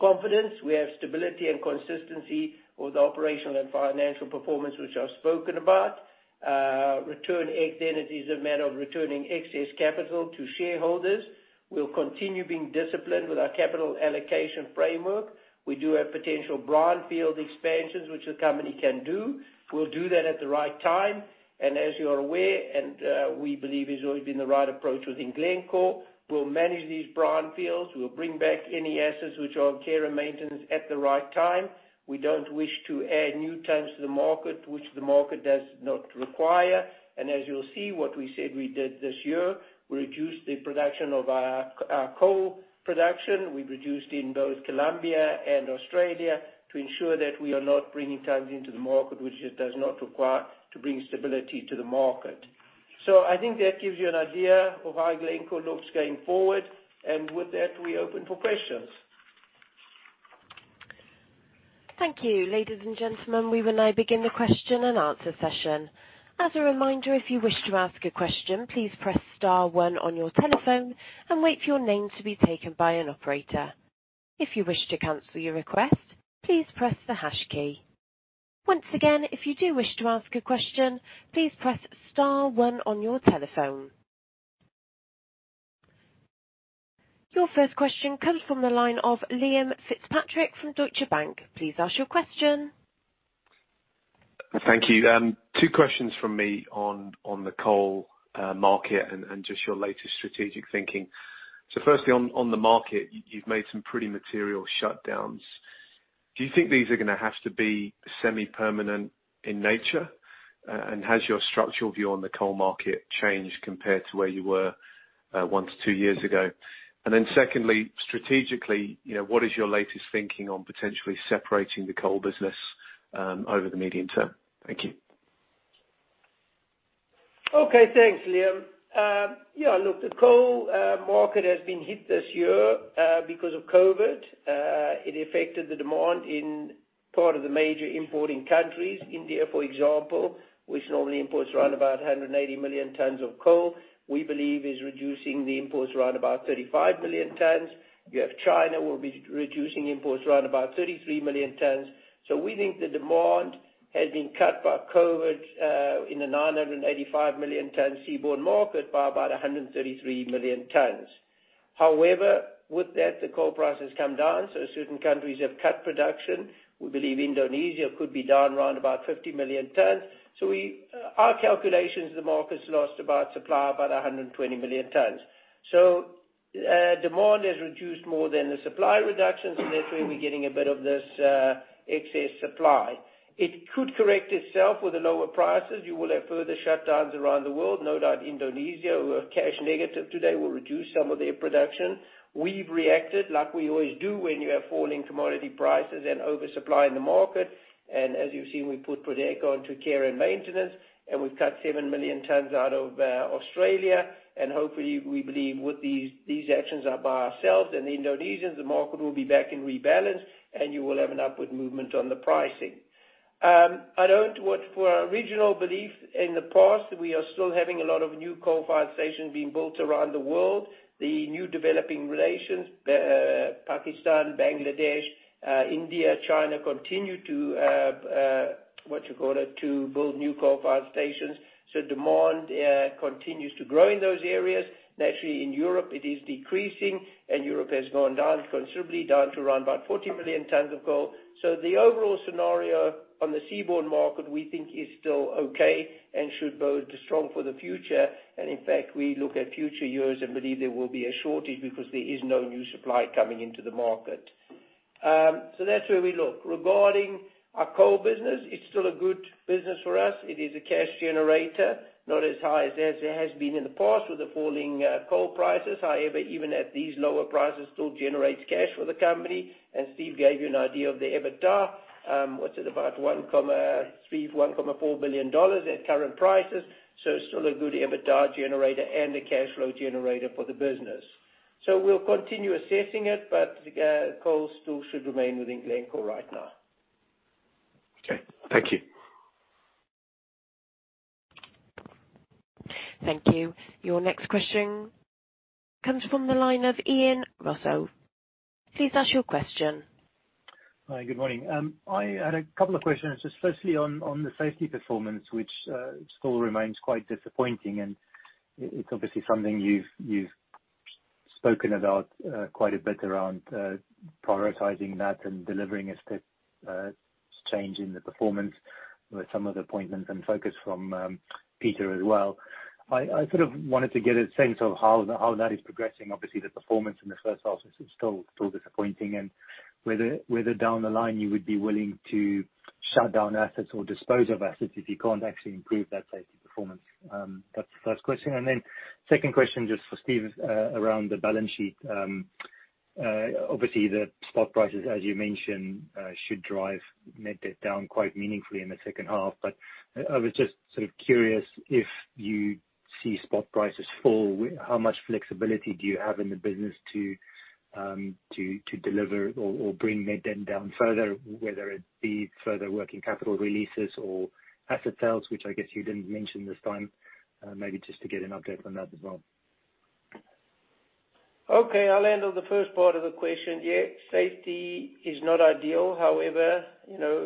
Confidence, we have stability and consistency with the operational and financial performance which I've spoken about. Return, then it is a matter of returning excess capital to shareholders. We'll continue being disciplined with our capital allocation framework. We do have potential brownfield expansions, which the company can do. We'll do that at the right time. As you are aware, and we believe it's always been the right approach within Glencore, we'll manage these brownfields. We'll bring back any assets which are on care and maintenance at the right time. We don't wish to add new tons to the market which the market does not require. As you'll see what we said we did this year, we reduced the production of our coal production. We reduced in both Colombia and Australia to ensure that we are not bringing tons into the market, which it does not require to bring stability to the market. I think that gives you an idea of how Glencore looks going forward. With that, we open for questions. Thank you. Ladies and gentlemen, we will now begin the question and answer session. As a reminder, if you wish to ask a question, please press star one on your telephone and wait for your name to be taken by an operator. If you wish to cancel your request, please press the hash key. Once again, if you do wish to ask a question, please press star one on your telephone. Your first question comes from the line of Liam Fitzpatrick from Deutsche Bank. Please ask your question. Thank you. Two questions from me on the coal market and just your latest strategic thinking. Firstly, on the market, you've made some pretty material shutdowns. Do you think these are going to have to be semi-permanent in nature? Has your structural view on the coal market changed compared to where you were one to two years ago? Secondly, strategically, what is your latest thinking on potentially separating the coal business over the medium term? Thank you. Okay. Thanks, Liam. Look, the coal market has been hit this year because of COVID. It affected the demand in part of the major importing countries. India, for example, which normally imports around about 180 million tons of coal, we believe is reducing the imports around about 35 million tons. You have China, will be reducing imports around about 33 million tons. We think the demand has been cut by COVID, in the 985 million tons seaborne market, by about 133 million tons. With that, the coal price has come down. Certain countries have cut production. We believe Indonesia could be down around about 50 million tons. Our calculations, the market's lost about supply, about 120 million tons. Demand has reduced more than the supply reductions. That's where we're getting a bit of this excess supply. It could correct itself with the lower prices. You will have further shutdowns around the world. No doubt Indonesia, who are cash negative today, will reduce some of their production. We've reacted like we always do when you have falling commodity prices and oversupply in the market. As you've seen, we put Prodeco into care and maintenance, and we've cut 7 million tons out of Australia. Hopefully, we believe with these actions are by ourselves and the Indonesians, the market will be back in rebalance and you will have an upward movement on the pricing. I don't watch for our regional belief in the past, we are still having a lot of new coal-fired stations being built around the world. The new developing relations, Pakistan, Bangladesh, India, China, continue to, what you call it, to build new coal-fired stations. Demand continues to grow in those areas. Naturally, in Europe it is decreasing and Europe has gone down, considerably down, to around about 40 million tons of coal. The overall scenario on the seaborne market we think is still okay and should bode strong for the future. In fact, we look at future years and believe there will be a shortage because there is no new supply coming into the market. That's where we look. Regarding our coal business, it's still a good business for us. It is a cash generator, not as high as it has been in the past with the falling coal prices. However, even at these lower prices, still generates cash for the company, and Steve gave you an idea of the EBITDA. What's it about $1.3 billion, $1.4 billion at current prices. It's still a good EBITDA generator and a cash flow generator for the business. We'll continue assessing it, but coal still should remain within Glencore right now. Okay. Thank you. Thank you. Your next question comes from the line of Ian Rossouw. Please ask your question. Hi, good morning. I had a couple of questions, just firstly on the safety performance, which still remains quite disappointing, and it's obviously something you've spoken about quite a bit around prioritizing that and delivering a step change in the performance with some of the appointments and focus from Peter as well. I sort of wanted to get a sense of how that is progressing. Obviously, the performance in the first half is still disappointing, and whether down the line you would be willing to shut down assets or dispose of assets if you can't actually improve that safety performance. That's the first question, and then second question just for Steve, around the balance sheet. Obviously the stock prices, as you mentioned, should drive net debt down quite meaningfully in the second half. I was just curious if you see spot prices fall, how much flexibility do you have in the business to deliver or bring net debt down further, whether it be further working capital releases or asset sales, which I guess you didn't mention this time. Maybe just to get an update on that as well. Okay, I'll handle the first part of the question. Yeah, safety is not ideal. However,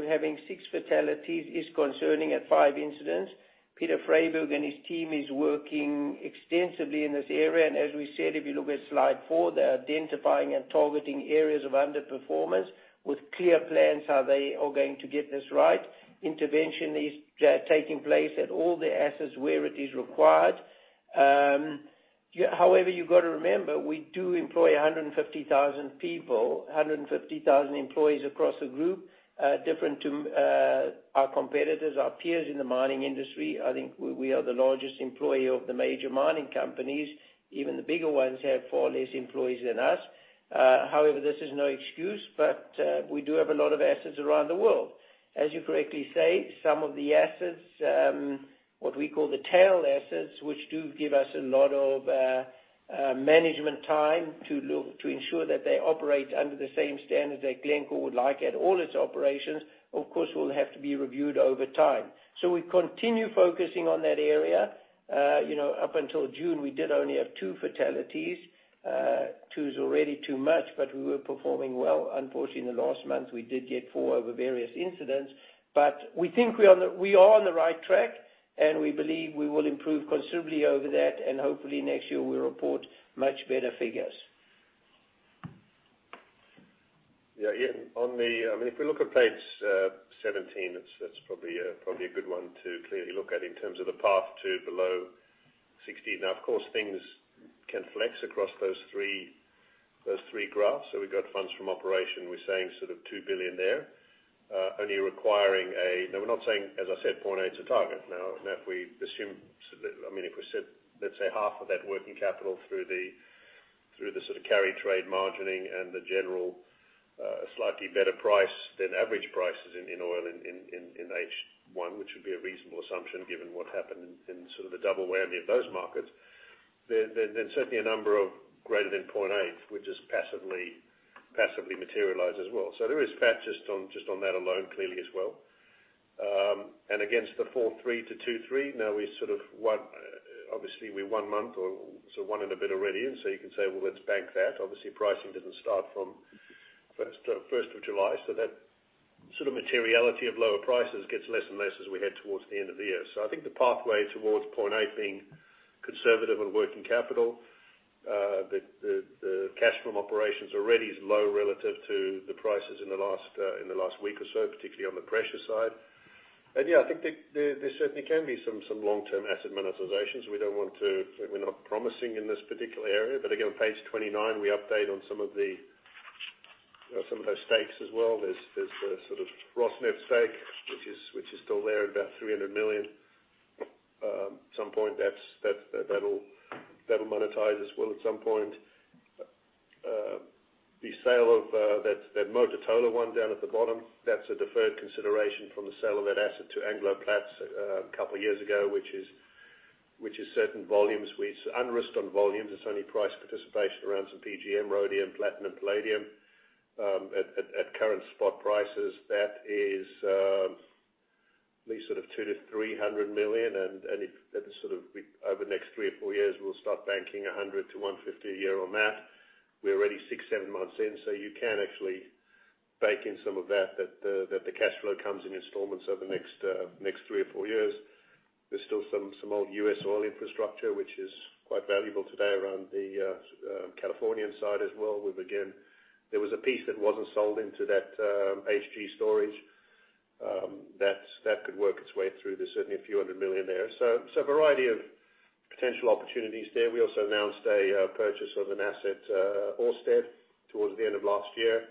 having six fatalities is concerning at five incidents. Peter Freyberg and his team is working extensively in this area. As we said, if you look at slide four, they're identifying and targeting areas of underperformance with clear plans how they are going to get this right. Intervention is taking place at all the assets where it is required. However, you got to remember, we do employ 150,000 people, 150,000 employees across the group, different to our competitors, our peers in the mining industry. I think we are the largest employer of the major mining companies. Even the bigger ones have far less employees than us. However, this is no excuse, but we do have a lot of assets around the world. As you correctly say, some of the assets, what we call the tail assets, which do give us a lot of management time to ensure that they operate under the same standard that Glencore would like at all its operations, of course, will have to be reviewed over time. We continue focusing on that area. Up until June, we did only have two fatalities. Two is already too much, we were performing well. Unfortunately, in the last month, we did get four over various incidents. We think we are on the right track, and we believe we will improve considerably over that, and hopefully next year we'll report much better figures. If we look at page 17, that's probably a good one to clearly look at in terms of the path to below 16. Of course, things can flex across those three graphs. We've got funds from operation, we're saying sort of $2 billion there. We're not saying, as I said, 0.8's a target. If we assume, let's say half of that working capital through the carry trade margining and the general slightly better price than average prices in oil in H1, which would be a reasonable assumption given what happened in sort of the double whammy of those markets, then certainly a number of greater than 0.8, which is passively materialized as well. There is fat just on that alone, clearly as well. Against the four three to two three, now obviously we're one month or so, one and a bit already, you can say, "Well, let's bank that." Obviously, pricing didn't start from 1st of July, so that sort of materiality of lower prices gets less and less as we head towards the end of the year. I think the pathway towards 0.8 being conservative on working capital, the cash from operations already is low relative to the prices in the last week or so, particularly on the pressure side. Yeah, I think there certainly can be some long-term asset monetizations. We're not promising in this particular area, but again, on page 29, we update on some of those stakes as well. There's a sort of Rosneft stake, which is still there at about $300 million. At some point, that'll monetize as well at some point. The sale of that Mototolo one down at the bottom, that's a deferred consideration from the sale of that asset to AngloPlats a couple of years ago, which is certain volumes. It's unrisked on volumes. It's only price participation around some PGM, rhodium, platinum, palladium. At current spot prices, that is at least sort of $200 million-$300 million, and over the next three or four years, we'll start banking $100 million-$150 million a year on that. We're already six, seven months in, so you can actually bake in some of that the cash flow comes in installments over the next three or four years. There's still some old U.S. oil infrastructure, which is quite valuable today around the Californian side as well. There was a piece that wasn't sold into that HG Storage. That could work its way through. There's certainly a few hundred million there. A variety of potential opportunities there. We also announced a purchase of an asset, Ørsted, towards the end of last year,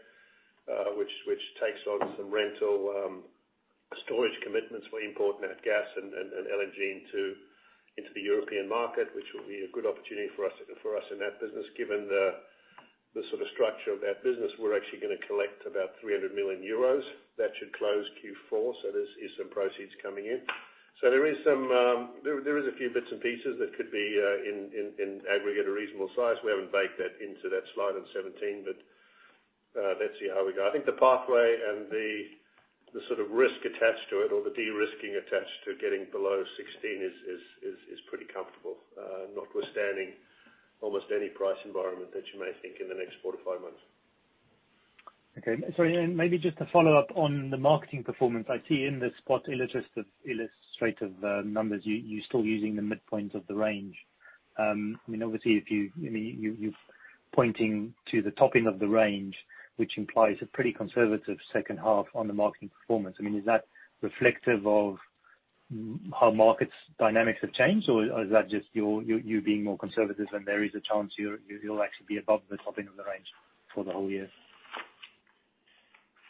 which takes on some rental storage commitments where you import nat gas and LNG into the European market, which will be a good opportunity for us in that business. Given the sort of structure of that business, we're actually going to collect about 300 million euros. That should close Q4, there's some proceeds coming in. There is a few bits and pieces that could be in aggregate, a reasonable size. We haven't baked that into that slide on 17, let's see how we go. I think the pathway and the sort of risk attached to it or the de-risking attached to getting below 16 is pretty comfortable, notwithstanding almost any price environment that you may think in the next four to five months. Okay. Sorry, maybe just to follow up on the marketing performance. I see in the spot illustrative numbers, you're still using the midpoint of the range. Obviously, you're pointing to the top end of the range, which implies a pretty conservative second half on the marketing performance. Is that reflective of how markets dynamics have changed, or is that just you being more conservative and there is a chance you'll actually be above the top end of the range for the whole year?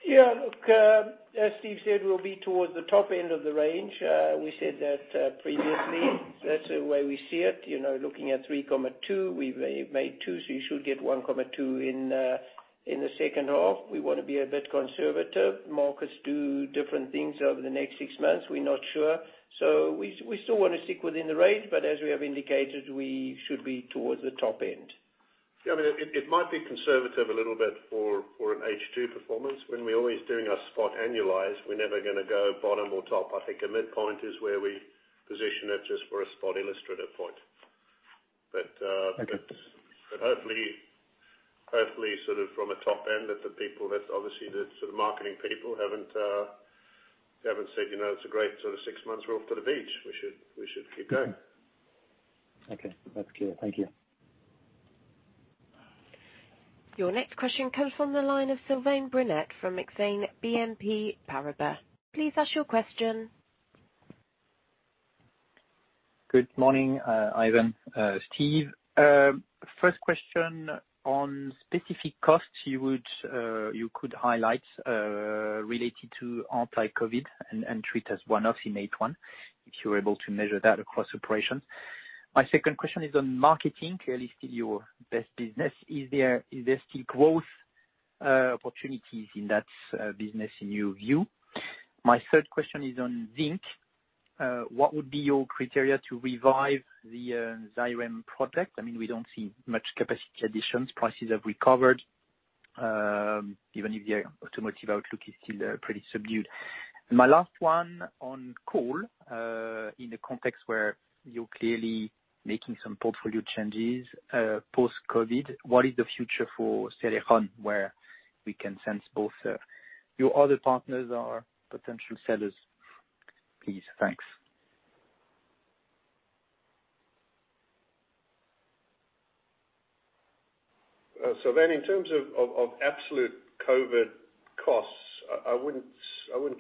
Look, as Steve said, we'll be towards the top end of the range. We said that previously. That's the way we see it. Looking at 3.2, we made two, you should get 1.2 in the second half. We want to be a bit conservative. Markets do different things over the next six months. We're not sure. We still want to stick within the range, but as we have indicated, we should be towards the top end. Yeah, it might be conservative a little bit for an H2 performance. When we're always doing our spot annualized, we're never going to go bottom or top. I think a midpoint is where we position it just for a spot illustrative point. Okay. Hopefully, sort of from a top end that the people that obviously the sort of marketing people haven't said, "It's a great sort of six months. We're off to the beach." We should keep going. Okay. That's clear. Thank you. Your next question comes from the line of Sylvain Brunet from Exane BNP Paribas. Please ask your question. Good morning, Ivan, Steve. First question on specific costs you could highlight related to anti-COVID and treat as one-off in H1, if you were able to measure that across operations. My second question is on marketing, clearly still your best business. Is there still growth opportunities in that business in your view? My third question is on zinc. What would be your criteria to revive the Zhairem project? I mean, we don't see much capacity additions. Prices have recovered, even if the automotive outlook is still pretty subdued. My last one on coal, in a context where you're clearly making some portfolio changes post-COVID, what is the future for Cerrejón, where we can sense both your other partners are potential sellers? Please. Thanks. Sylvain, in terms of absolute COVID costs, I wouldn't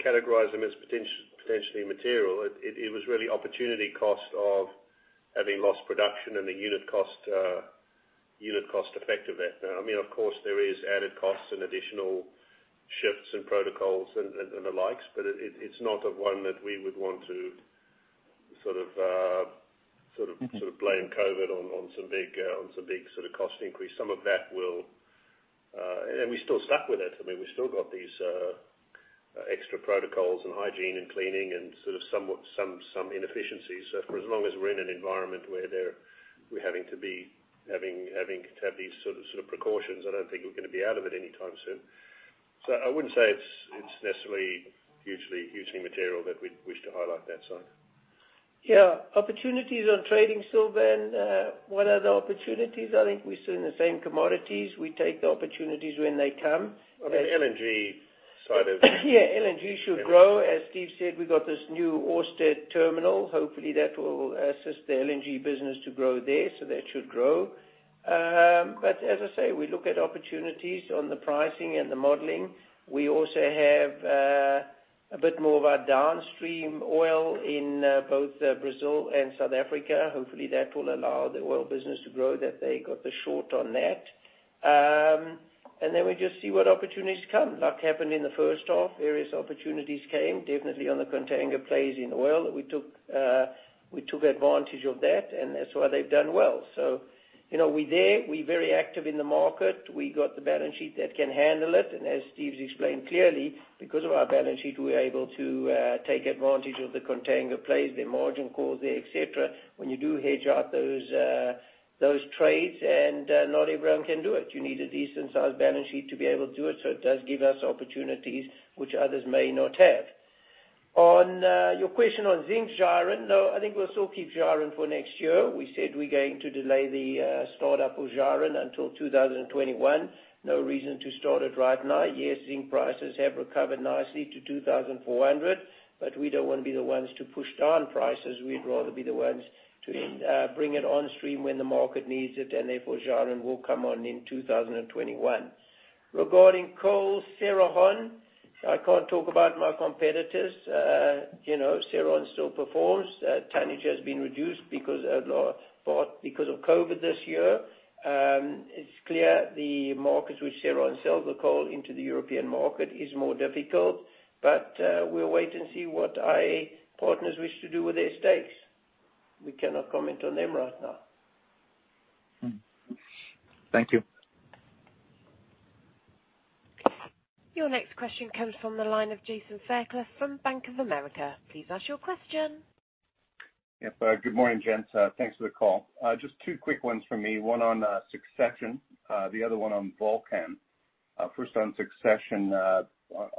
categorize them as potentially material. It was really opportunity cost of having lost production and the unit cost effect of it. Of course, there is added costs and additional shifts in protocols and the likes, but it's not of one that we would want to sort of blame COVID on some big sort of cost increase. Some of that will. We're still stuck with it. I mean, we still got these extra protocols and hygiene and cleaning and sort of somewhat some inefficiencies. For as long as we're in an environment where we're having to have these sort of precautions, I don't think we're going to be out of it anytime soon. I wouldn't say it's necessarily hugely material that we'd wish to highlight that side. Yeah. Opportunities on trading, Sylvain. What are the opportunities? I think we're still in the same commodities. We take the opportunities when they come. On the LNG side of. Yeah. LNG should grow. As Steve said, we got this new Ørsted terminal, hopefully that will assist the LNG business to grow there, so that should grow. As I say, we look at opportunities on the pricing and the modeling. We also have a bit more of our downstream oil in both Brazil and South Africa. Hopefully, that will allow the oil business to grow, that they got the short on that. We just see what opportunities come. Luck happened in the first half. Various opportunities came, definitely on the contango plays in oil. We took advantage of that, and that's why they've done well. We there, we very active in the market. We got the balance sheet that can handle it. As Steve's explained clearly, because of our balance sheet, we're able to take advantage of the contango plays, the margin calls there, et cetera, when you do hedge out those trades. Not everyone can do it. You need a decent-sized balance sheet to be able to do it. It does give us opportunities which others may not have. On your question on zinc Zhairem. No, I think we'll still keep Zhairem for next year. We said we're going to delay the startup of Zhairem until 2021. No reason to start it right now. Yes, zinc prices have recovered nicely to $2,400. We don't want to be the ones to push down prices. We'd rather be the ones to bring it on stream when the market needs it. Therefore, Zhairem will come on in 2021. Regarding coal, Cerrejón, I can't talk about my competitors. Cerrejón still performs. Tonnage has been reduced because of COVID this year. It's clear the markets which Cerrejón sells the coal into the European market is more difficult. We'll wait and see what our partners wish to do with their stakes. We cannot comment on them right now. Thank you. Your next question comes from the line of Jason Fairclough from Bank of America. Please ask your question. Yep. Good morning, gents. Thanks for the call. Just two quick ones from me, one on succession, the other one on Volcan. First on succession.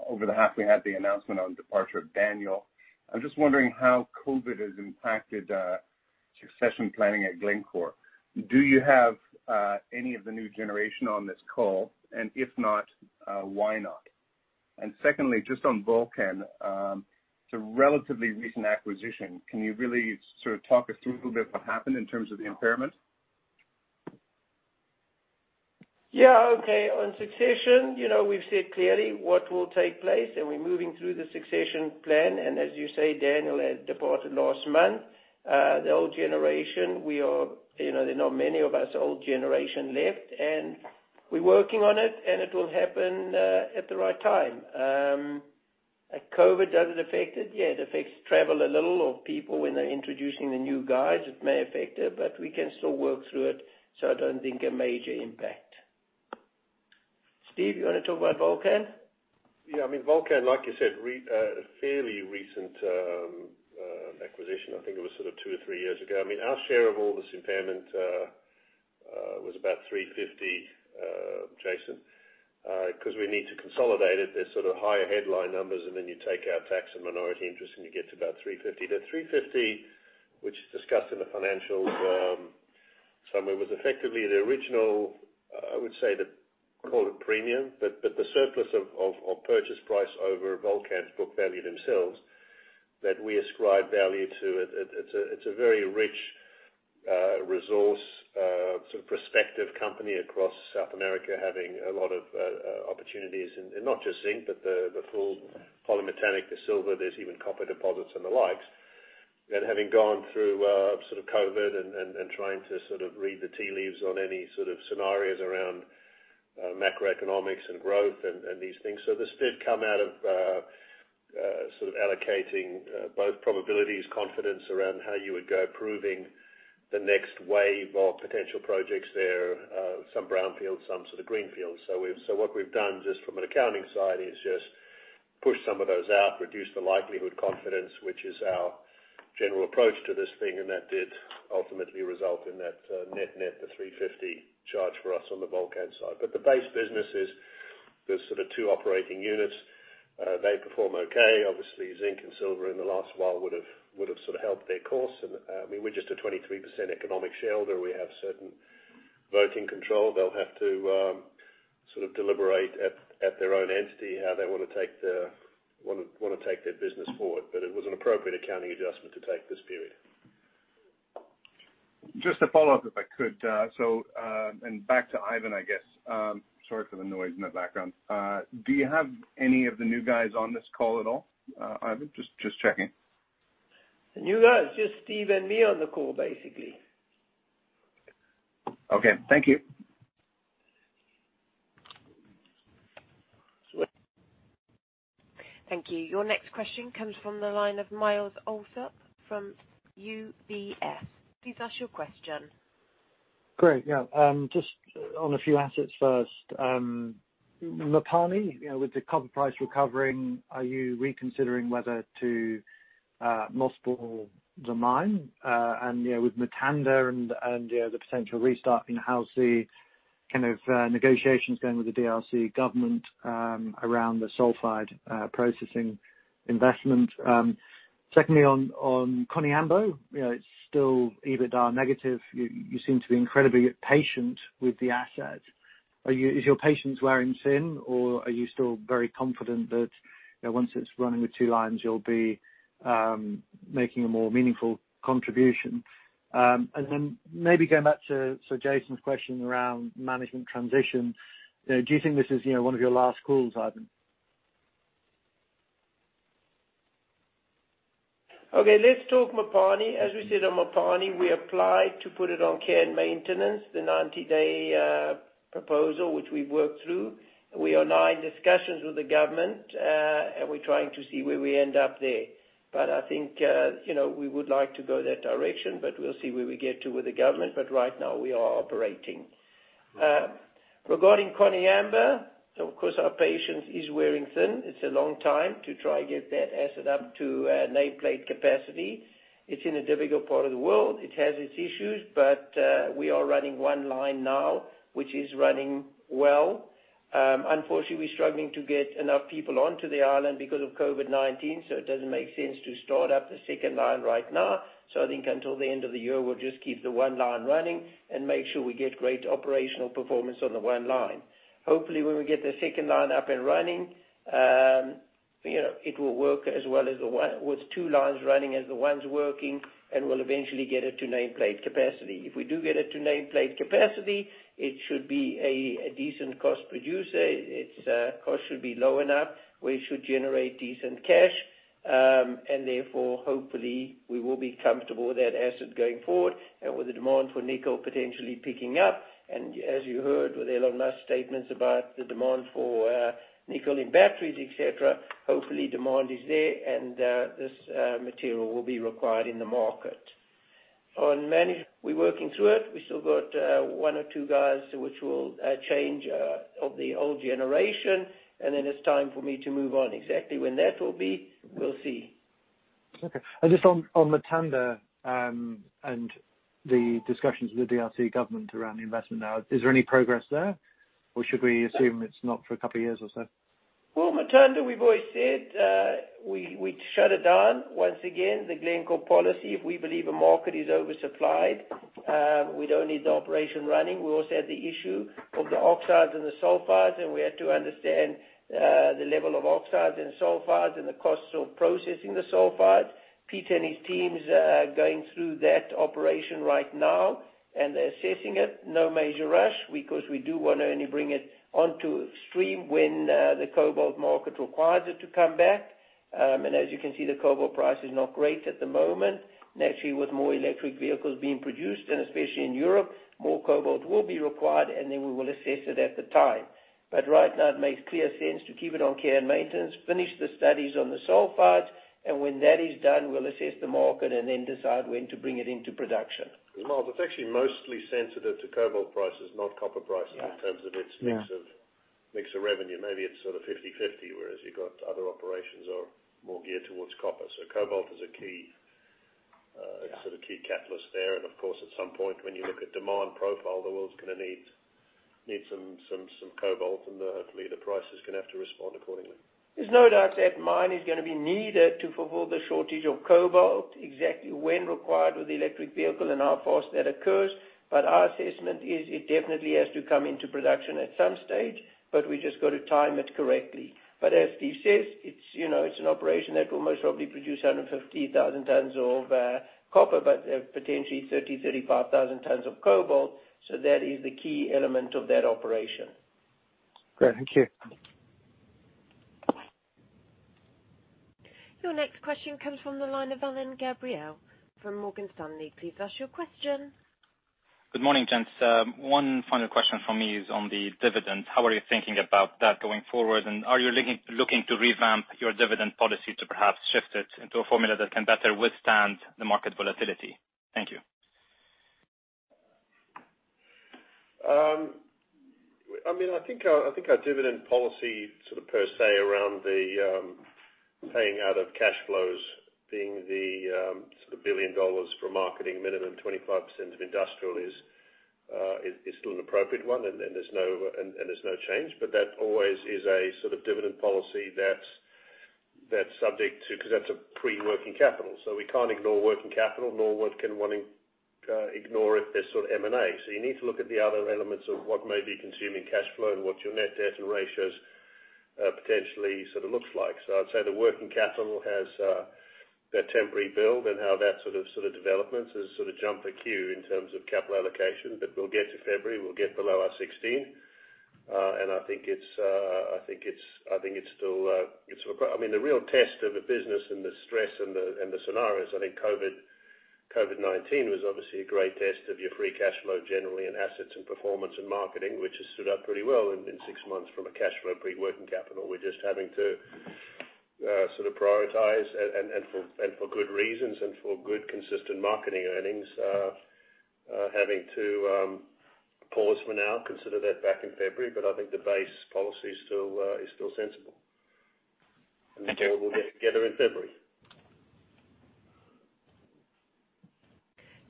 Over the half, we had the announcement on departure of Daniel. I'm just wondering how COVID has impacted succession planning at Glencore. Do you have any of the new generation on this call? If not, why not? Secondly, just on Volcan, it's a relatively recent acquisition. Can you really sort of talk us through a little bit what happened in terms of the impairment? Yeah. Okay. On succession, we've said clearly what will take place, and we're moving through the succession plan. As you say, Daniel has departed last month. The old generation, there not many of us old generation left, and we're working on it, and it will happen at the right time. COVID, does it affect it? Yeah, it affects travel a little, or people when they're introducing the new guys, it may affect it, but we can still work through it, so I don't think a major impact. Steve, you want to talk about Volcan? Yeah. Volcan, like you said, a fairly recent acquisition. I think it was two or three years ago. Our share of all this impairment was about $350, Jason. Because we need to consolidate it, there's higher headline numbers, and then you take out tax and minority interest, and you get to about $350. The $350, which is discussed in the financial summary, was effectively the original, I would say, call it premium, but the surplus of purchase price over Volcan's book value themselves that we ascribe value to it. It's a very rich resource, prospective company across South America, having a lot of opportunities in not just zinc, but the full polymetallic, the silver, there's even copper deposits and the likes. Having gone through COVID and trying to read the tea leaves on any sort of scenarios around macroeconomics and growth and these things. This did come out of allocating both probabilities, confidence around how you would go approving the next wave of potential projects there. Some brownfield, some sort of greenfield. What we've done, just from an accounting side, is just push some of those out, reduce the likelihood confidence, which is our general approach to this thing, and that did ultimately result in that net-net, the $350 charge for us on the Volcan side. The base business is there's sort of two operating units. They perform okay. Obviously, zinc and silver in the last while would've helped their cause. We're just a 23% economic shareholder. We have certain voting control. They'll have to deliberate at their own entity how they want to take their business forward. It was an appropriate accounting adjustment to take this period. Just a follow-up, if I could. Back to Ivan, I guess. Sorry for the noise in the background. Do you have any of the new guys on this call at all, Ivan? Just checking. The new guys? Just Steve and me on the call, basically. Okay. Thank you. Thank you. Your next question comes from the line of Myles Allsop from UBS. Please ask your question. Great. Yeah. Just on a few assets first. Mopani, with the copper price recovering, are you reconsidering whether to mothball the mine? With Mutanda and the potential restart in-house, the kind of negotiations going with the DRC government around the sulfide processing investment. Secondly, on Koniambo, it's still EBITDA negative. You seem to be incredibly patient with the asset. Is your patience wearing thin, or are you still very confident that once it's running with two lines, you'll be making a more meaningful contribution? Then maybe going back to Jason's question around management transition, do you think this is one of your last calls, Ivan? Let's talk Mopani. As we said on Mopani, we applied to put it on care and maintenance, the 90-day proposal, which we've worked through. We are now in discussions with the government, and we're trying to see where we end up there. I think we would like to go that direction, but we'll see where we get to with the government. Right now, we are operating. Regarding Koniambo, of course, our patience is wearing thin. It's a long time to try to get that asset up to nameplate capacity. It's in a difficult part of the world. It has its issues, but we are running one line now, which is running well. Unfortunately, we're struggling to get enough people onto the island because of COVID-19, so it doesn't make sense to start up the second line right now. I think until the end of the year, we'll just keep the one line running and make sure we get great operational performance on the one line. Hopefully, when we get the second line up and running, it will work with two lines running as the one's working, and we'll eventually get it to nameplate capacity. If we do get it to nameplate capacity, it should be a decent cost producer. Its cost should be low enough. We should generate decent cash, and therefore, hopefully, we will be comfortable with that asset going forward, and with the demand for nickel potentially picking up. As you heard with Elon Musk statements about the demand for nickel in batteries, et cetera, hopefully demand is there and this material will be required in the market. On Mopani, we're working through it. We still got one or two guys which will change of the old generation, and then it's time for me to move on. Exactly when that will be, we'll see. Okay. Just on Mutanda, and the discussions with the DRC government around the investment now. Is there any progress there? Should we assume it's not for a couple of years or so? Well, Mutanda, we've always said we'd shut it down. Once again, the Glencore policy, if we believe a market is oversupplied, we don't need the operation running. We also had the issue of the oxides and the sulfides, and we had to understand the level of oxides and sulfides and the costs of processing the sulfides. Peter and his teams are going through that operation right now, and they're assessing it. No major rush because we do want to only bring it onto stream when the cobalt market requires it to come back. As you can see, the cobalt price is not great at the moment. Naturally, with more electric vehicles being produced, and especially in Europe, more cobalt will be required, and then we will assess it at the time. Right now it makes clear sense to keep it on care and maintenance, finish the studies on the sulfides, and when that is done, we'll assess the market and then decide when to bring it into production. Myles, it's actually mostly sensitive to cobalt prices, not copper prices. Yeah. In terms of its mix of revenue, maybe it's sort of 50/50, whereas you've got other operations are more geared towards copper. Cobalt is a key. Sort of key catalyst there. At some point, when you look at demand profile, the world's going to need some cobalt, and hopefully the price is going to have to respond accordingly. There's no doubt that mine is going to be needed to fulfill the shortage of cobalt, exactly when required with the electric vehicle and how fast that occurs. Our assessment is it definitely has to come into production at some stage, but we just got to time it correctly. As Steve says, it's an operation that will most probably produce 150,000 tons of copper, but potentially 30,000 tons, 35,000 tons of cobalt. That is the key element of that operation. Great. Thank you. Your next question comes from the line of Alain Gabriel from Morgan Stanley. Please ask your question. Good morning, gents. One final question from me is on the dividend. How are you thinking about that going forward? Are you looking to revamp your dividend policy to perhaps shift it into a formula that can better withstand the market volatility? Thank you. I think our dividend policy per se around the paying out of cash flows being the $1 billion for marketing minimum 25% of industrial is still an appropriate one. There's no change. That always is a dividend policy that's subject to, because that's a pre-working capital. We can't ignore working capital, nor one can ignore if there's M&A. You need to look at the other elements of what may be consuming cash flow and what your net debt and ratios, potentially looks like. I'd say the working capital has that temporary build and how that development has jumped the queue in terms of capital allocation. We'll get to February, we'll get below our 16. I mean, the real test of a business and the stress and the scenarios, I think COVID-19 was obviously a great test of your free cash flow generally and assets and performance and marketing, which has stood up pretty well in six months from a cash flow pre-working capital. We're just having to sort of prioritize and for good reasons and for good consistent marketing earnings, having to pause for now, consider that back in February. I think the base policy is still sensible. Thank you. We'll get together in February.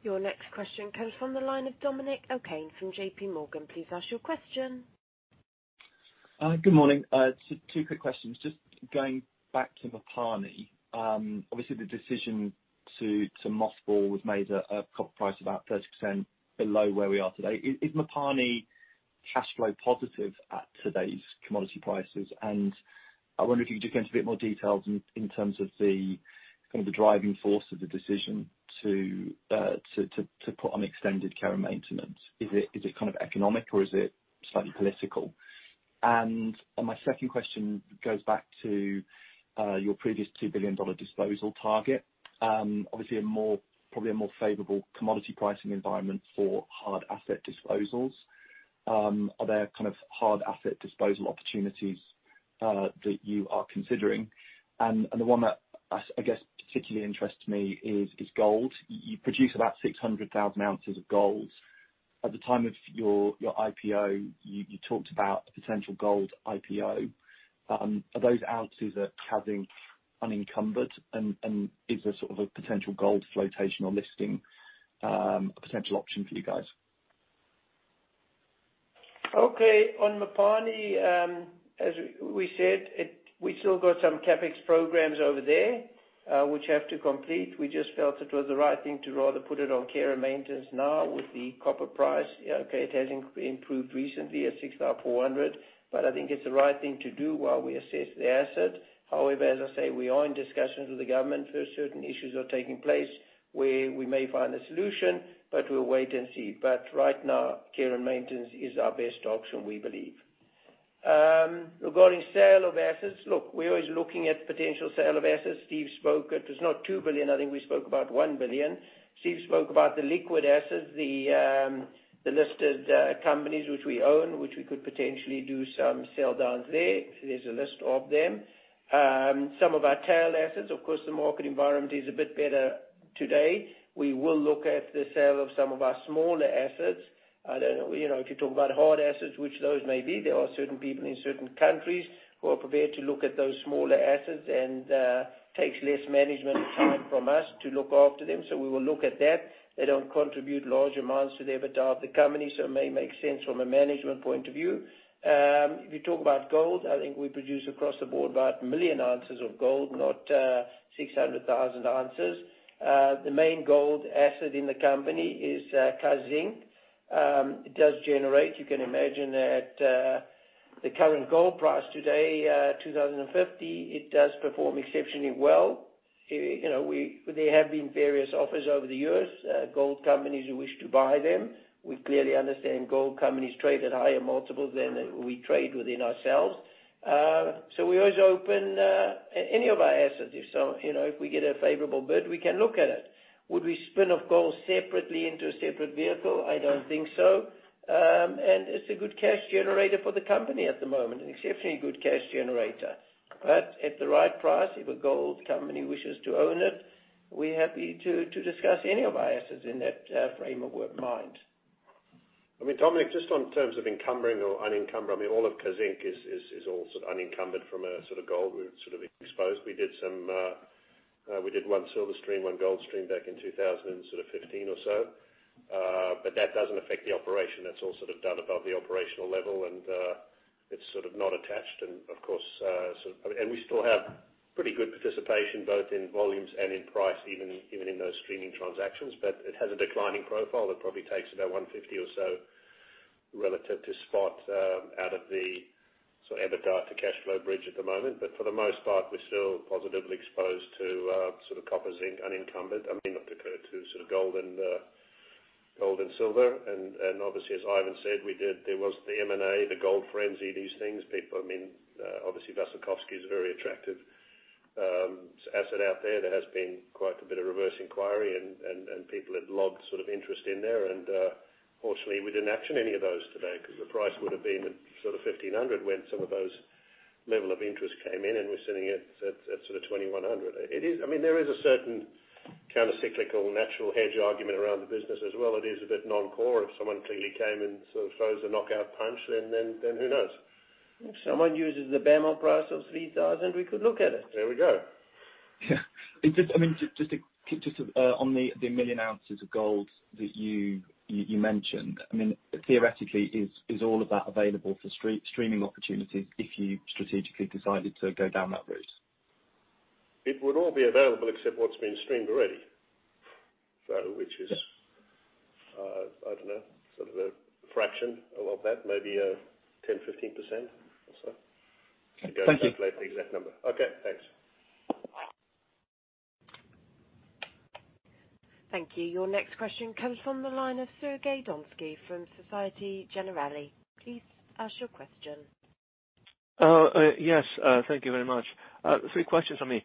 Your next question comes from the line of Dominic O'Kane from J.P. Morgan. Please ask your question. Good morning. Two quick questions. Just going back to Mopani. Obviously, the decision to mothball was made at a copper price about 30% below where we are today. Is Mopani cash flow positive at today's commodity prices? I wonder if you could go into a bit more details in terms of the driving force of the decision to put on extended care and maintenance. Is it kind of economic or is it slightly political? My second question goes back to your previous $2 billion disposal target. Obviously, probably a more favorable commodity pricing environment for hard asset disposals. Are there hard asset disposal opportunities that you are considering? The one that I guess particularly interests me is gold. You produce about 600,000 ounces of gold. At the time of your IPO, you talked about a potential gold IPO. Are those ounces at Kazzinc unencumbered? Is a sort of a potential gold flotation or listing, a potential option for you guys? Okay. On Mopani, as we said, we still got some CapEx programs over there, which we have to complete. We just felt it was the right thing to rather put it on care and maintenance now with the copper price. Okay, it has improved recently at $6,400, but I think it's the right thing to do while we assess the asset. However, as I say, we are in discussions with the government for certain issues are taking place where we may find a solution, but we'll wait and see. Right now, care and maintenance is our best option, we believe. Regarding sale of assets, look, we're always looking at potential sale of assets. Steve spoke, it was not $2 billion, I think we spoke about $1 billion. Steve spoke about the liquid assets, the listed companies which we own, which we could potentially do some sell downs there. There's a list of them. Some of our tail assets, of course, the market environment is a bit better today. We will look at the sale of some of our smaller assets. I don't know, if you talk about hard assets, which those may be, there are certain people in certain countries who are prepared to look at those smaller assets and takes less management time from us to look after them. We will look at that. They don't contribute large amounts to the EBITDA of the company, so it may make sense from a management point of view. If you talk about gold, I think we produce across the board about 1 million ounces of gold, not 600,000 ounces. The main gold asset in the company is Kazzinc. It does generate, you can imagine that, the current gold price today, $2,050, it does perform exceptionally well. There have been various offers over the years, gold companies who wish to buy them. We clearly understand gold companies trade at higher multiples than we trade within ourselves. We always open any of our assets. If we get a favorable bid, we can look at it. Would we spin off gold separately into a separate vehicle? I don't think so. It's a good cash generator for the company at the moment, an exceptionally good cash generator. At the right price, if a gold company wishes to own it, we're happy to discuss any of our assets in that frame of mind. Dominic, just on terms of encumbering or unencumbered, all of Kazzinc is unencumbered from a gold root exposed. We did one silver stream, one gold stream back in 2015 or so. That doesn't affect the operation. That's all done above the operational level, and it's not attached. We still have pretty good participation both in volumes and in price, even in those streaming transactions. It has a declining profile. It probably takes about 150 or so relative to spot out of the EBITDA to cash flow bridge at the moment. For the most part, we're still positively exposed to copper zinc unencumbered. I mean, not to gold and silver. Obviously, as Ivan said, there was the M&A, the gold frenzy, these things. Obviously Vasilkovskoye is a very attractive asset out there. There has been quite a bit of reverse inquiry and people have logged interest in there. Unfortunately, we didn't action any of those to date because the price would have been at $1,500 when some of those level of interest came in, and we're sitting at $2,100. There is a certain counter-cyclical natural hedge argument around the business as well. It is a bit non-core. If someone clearly came and throws a knockout punch, then who knows? If someone uses the BMO price of $3,000, we could look at it. There we go. On the million ounces of gold that you mentioned, theoretically, is all of that available for streaming opportunities if you strategically decided to go down that route? It would all be available except what's been streamed already. Which is, I don't know, a fraction of that, maybe 10%, 15% or so. Thank you. I don't calculate the exact number. Okay, thanks. Thank you. Your next question comes from the line of Sergey Donskoy from Société Générale. Please ask your question. Yes, thank you very much. Three questions from me.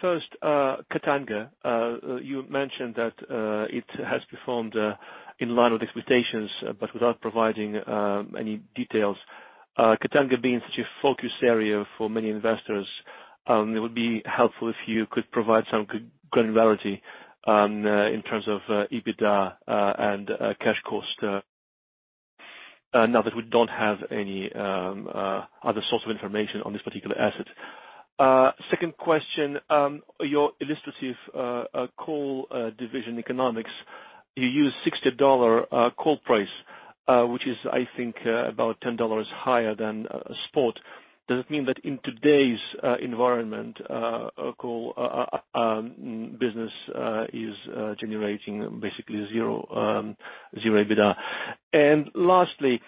First, Katanga. You mentioned that it has performed in line with expectations, but without providing any details. Katanga being such a focus area for many investors, it would be helpful if you could provide some granularity in terms of EBITDA and cash cost, now that we don't have any other source of information on this particular asset. Second question, your illustrative coal division economics, you use $60 coal price which is, I think, about $10 higher than spot. Does it mean that in today's environment, coal business is generating basically zero EBITDA? Lastly,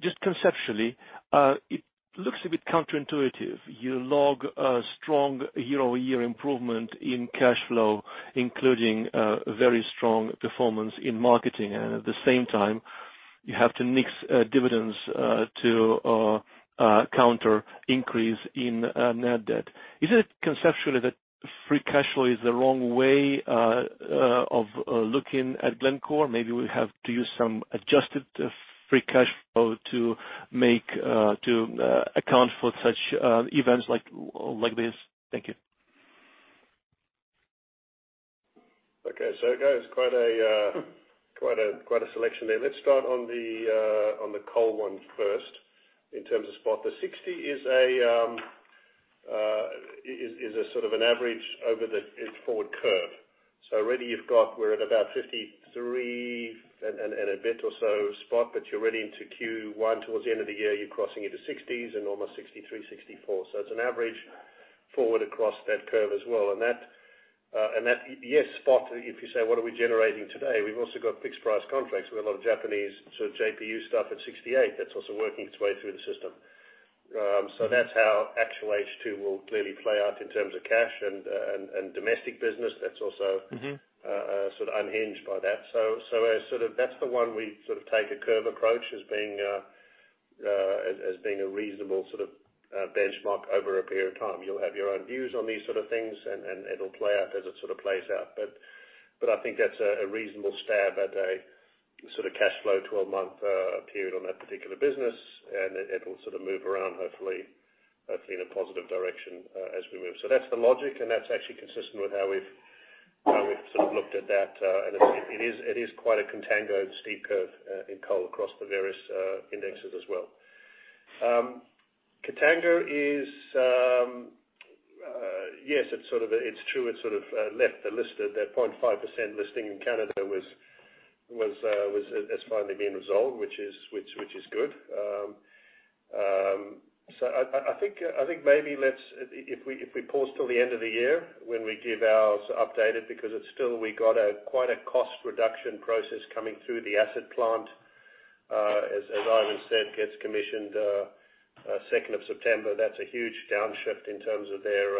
just conceptually, it looks a bit counterintuitive. You log a strong year-over-year improvement in cash flow, including a very strong performance in marketing, and at the same time, you have to nix dividends to counter increase in net debt. Is it conceptually that free cash flow is the wrong way of looking at Glencore? Maybe we have to use some adjusted free cash flow to account for such events like this. Thank you. Sergey, it's quite a selection there. Let's start on the coal one first in terms of spot. The $60 is an average over the forward curve. Already you've got, we're at about $53 and a bit or so spot, but you're already into Q1 towards the end of the year, you're crossing into $60s and almost $63, $64. It's an average forward across that curve as well. That, yes, spot, if you say, what are we generating today? We've also got fixed price contracts with a lot of Japanese JPU stuff at $68. That's also working its way through the system. That's how actual H2 will clearly play out in terms of cash and domestic business unhinged by that. That's the one we take a curve approach as being a reasonable benchmark over a period of time. You'll have your own views on these sort of things, and it'll play out as it plays out. I think that's a reasonable stab at a cash flow 12-month period on that particular business, and it'll move around, hopefully in a positive direction as we move. That's the logic, and that's actually consistent with how we've looked at that. It is quite a contango and steep curve in coal across the various indexes as well. Katanga is, yes, it's true, it's left the list of that 0.5% listing in Canada that's finally being resolved, which is good. I think maybe if we pause till the end of the year when we give ours updated, because it's still we got quite a cost reduction process coming through the asset plant, as Ivan said, gets commissioned 2nd of September. That's a huge downshift in terms of their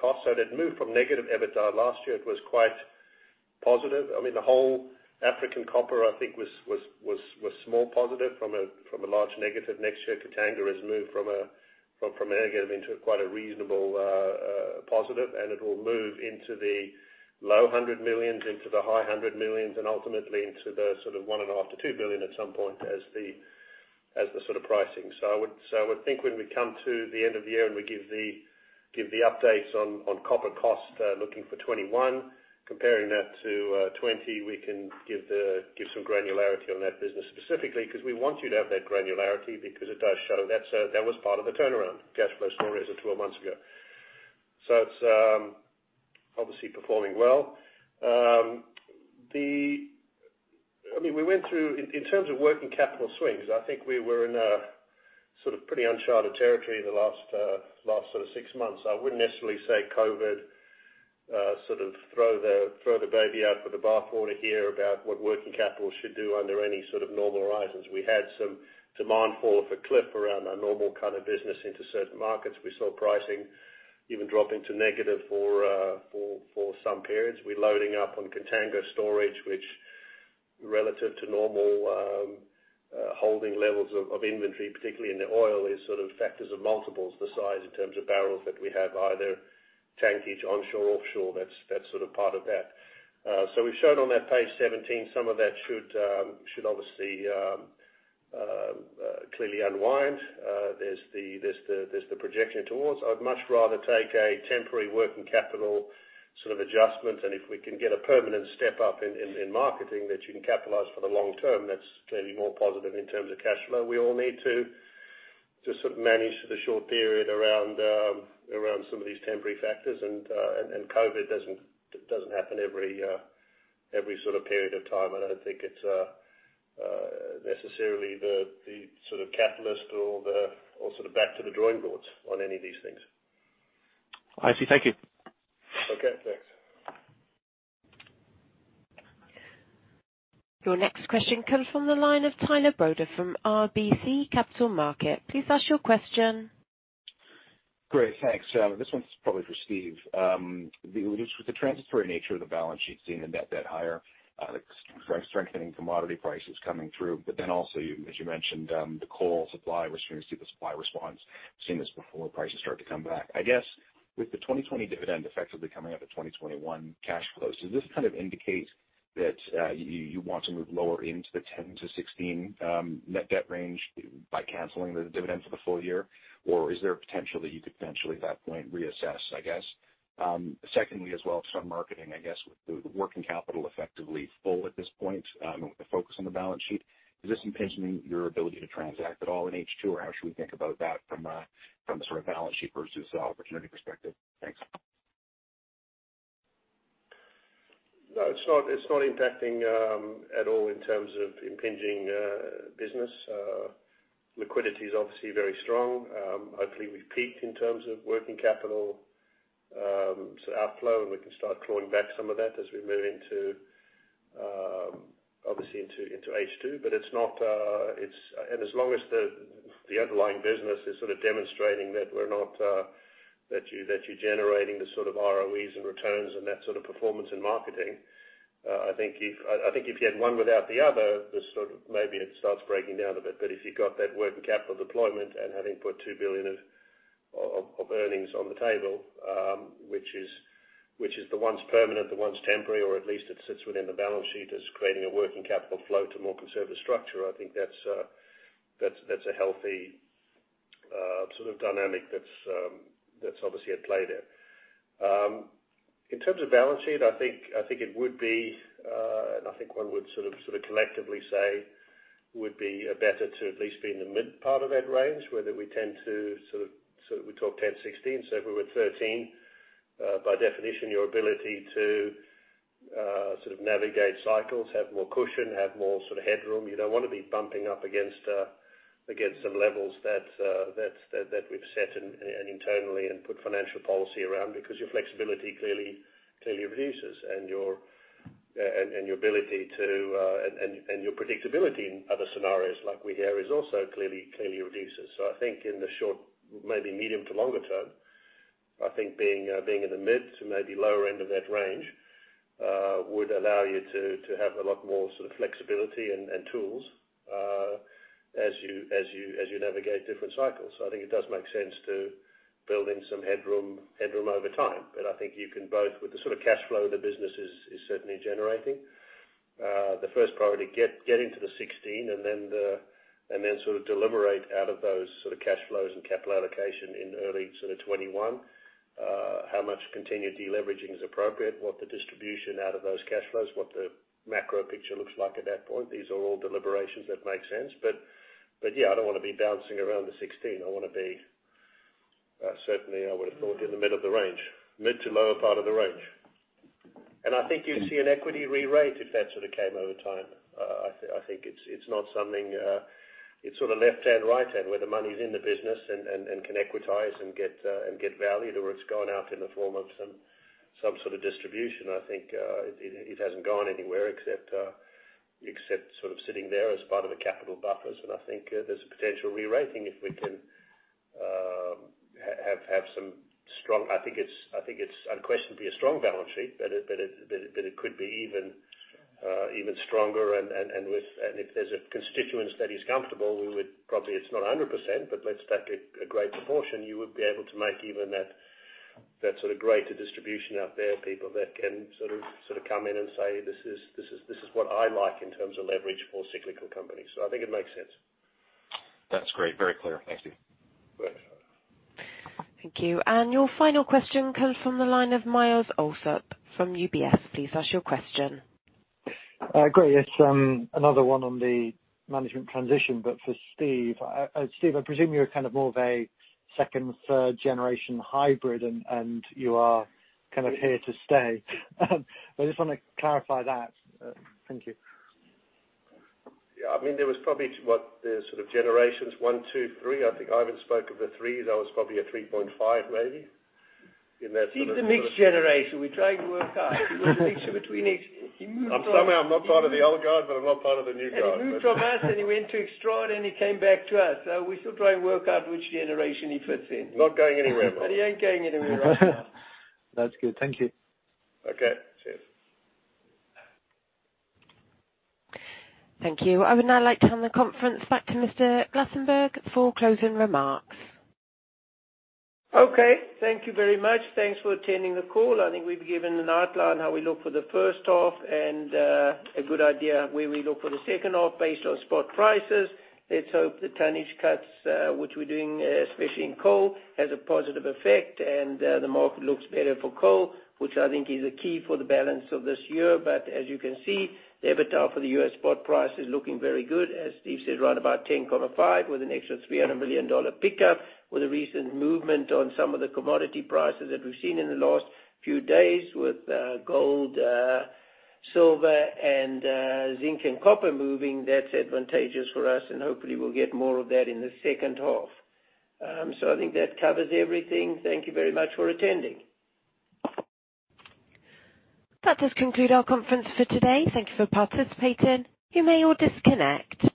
cost. They'd moved from negative EBITDA. Last year, it was quite positive. The whole African copper, I think, was small positive from a large negative. Next year, Katanga has moved from a negative into quite a reasonable positive, and it will move into the low hundred millions, into the high hundred millions, and ultimately into the $1.5 billion-$2 billion at some point as the sort of pricing. I would think when we come to the end of the year and we give the updates on copper cost, looking for 2021, comparing that to 2020, we can give some granularity on that business specifically, because we want you to have that granularity because it does show that was part of the turnaround cash flow story as of 12 months ago. It's obviously performing well. In terms of working capital swings, I think we were in a pretty uncharted territory in the last six months. I wouldn't necessarily say COVID throw the baby out with the bathwater here about what working capital should do under any sort of normal horizons. We had some demand fall off a cliff around our normal kind of business into certain markets. We saw pricing even drop into negative for some periods. We're loading up on contango storage, which relative to normal holding levels of inventory, particularly in the oil, is sort of factors of multiples the size in terms of barrels that we have either tankage onshore, offshore, that's part of that. We've shown on that page 17, some of that should obviously clearly unwind. There's the projection towards. I'd much rather take a temporary working capital sort of adjustment, and if we can get a permanent step up in marketing that you can capitalize for the long term, that's clearly more positive in terms of cash flow. We all need to just sort of manage the short period around some of these temporary factors, and COVID doesn't happen every sort of period of time, and I don't think it's necessarily the sort of catalyst or sort of back to the drawing boards on any of these things. I see. Thank you. Okay, thanks. Your next question comes from the line of Tyler Broda from RBC Capital Markets. Please ask your question. Great. Thanks. This one's probably for Steve. With the transitory nature of the balance sheet, seeing the net debt higher, the strengthening commodity prices coming through, but then also, as you mentioned, the coal supply, we're starting to see the supply response. We have seen this before, prices start to come back. I guess, with the 2020 dividend effectively coming out of 2021 cash flows, does this kind of indicate that you want to move lower into the 10 to 16 net debt range by canceling the dividend for the full year? Is there a potential that you could potentially, at that point, reassess, I guess? Secondly, as well, some marketing, I guess, with the working capital effectively full at this point, and with the focus on the balance sheet, is this impinging your ability to transact at all in H2, or how should we think about that from a sort of balance sheet versus opportunity perspective? Thanks. No, it's not impacting at all in terms of impinging business. Liquidity is obviously very strong. Hopefully, we've peaked in terms of working capital outflow, and we can start clawing back some of that as we move obviously into H2. As long as the underlying business is sort of demonstrating that you're generating the sort of ROEs and returns and that sort of performance in marketing. I think if you had one without the other, maybe it starts breaking down a bit. If you've got that working capital deployment and having put $2 billion of earnings on the table, which is the one's permanent, the one's temporary, or at least it sits within the balance sheet as creating a working capital flow to more conservative structure, I think that's a healthy sort of dynamic that's obviously at play there. In terms of balance sheet, I think one would sort of collectively say it would be better to at least be in the mid part of that range, whether we tend to, we talk 10, 16, so if we're at 13, by definition, your ability to sort of navigate cycles, have more cushion, have more sort of headroom. You don't want to be bumping up against some levels that we've set internally and put financial policy around because your flexibility clearly reduces, and your predictability in other scenarios like we have is also clearly reduces. I think in the short, maybe medium to longer term, I think being in the mid to maybe lower end of that range would allow you to have a lot more sort of flexibility and tools as you navigate different cycles. I think it does make sense to build in some headroom over time. I think you can both, with the sort of cash flow the business is certainly generating, the first priority, get into the 16 and then sort of deliberate out of those sort of cash flows and capital allocation in early sort of 2021 how much continued deleveraging is appropriate, what the distribution out of those cash flows, what the macro picture looks like at that point. These are all deliberations that make sense. Yeah, I don't want to be bouncing around the 16. I want to be, certainly I would have thought in the mid of the range, mid to lower part of the range. I think you'd see an equity re-rate if that sort of came over time. I think it's sort of left hand, right hand, where the money's in the business and can equitize and get value, or it's gone out in the form of some sort of distribution. I think it hasn't gone anywhere except sort of sitting there as part of the capital buffers. I think there's a potential re-rating if we can have some. I think it's unquestionably a strong balance sheet, but it could be even stronger, and if there's a constituent that is comfortable, we would probably, it's not 100%, but let's take a great proportion, you would be able to make even that sort of greater distribution out there, people that can sort of come in and say, "This is what I like in terms of leverage for cyclical companies." I think it makes sense. That's great. Very clear. Thanks, Steve. Great. Thank you. Your final question comes from the line of Myles Allsop from UBS. Please ask your question. Great. It's another one on the management transition for Steve. Steve, I presume you're kind of more of a second, third generation hybrid, and you are kind of here to stay. I just want to clarify that. Thank you. Yeah. There was probably what, the sort of generations one, two, three. I think Ivan spoke of the threes. I was probably a 3.5 maybe. Steve's a mixed generation. We tried to work out. He was a mixture between each. Somehow I'm not part of the old guard, but I'm not part of the new guard. He moved from us, and he went to Xstrata, and he came back to us. We're still trying to work out which generation he fits in. Not going anywhere, Myles. He ain't going anywhere, right, Myles? That's good. Thank you. Okay. Cheers. Thank you. I would now like to turn the conference back to Mr. Glasenberg for closing remarks. Okay. Thank you very much. Thanks for attending the call. I think we've given an outline how we look for the first half and a good idea where we look for the second half based on spot prices. Let's hope the tonnage cuts, which we're doing, especially in coal, has a positive effect and the market looks better for coal, which I think is a key for the balance of this year. As you can see, the EBITDA for the U.S. spot price is looking very good, as Steve said, right about $10.5 with an extra $300 million pickup. With the recent movement on some of the commodity prices that we've seen in the last few days with gold, silver, and zinc and copper moving, that's advantageous for us, and hopefully we'll get more of that in the second half. I think that covers everything. Thank you very much for attending. That does conclude our conference for today. Thank you for participating. You may all disconnect.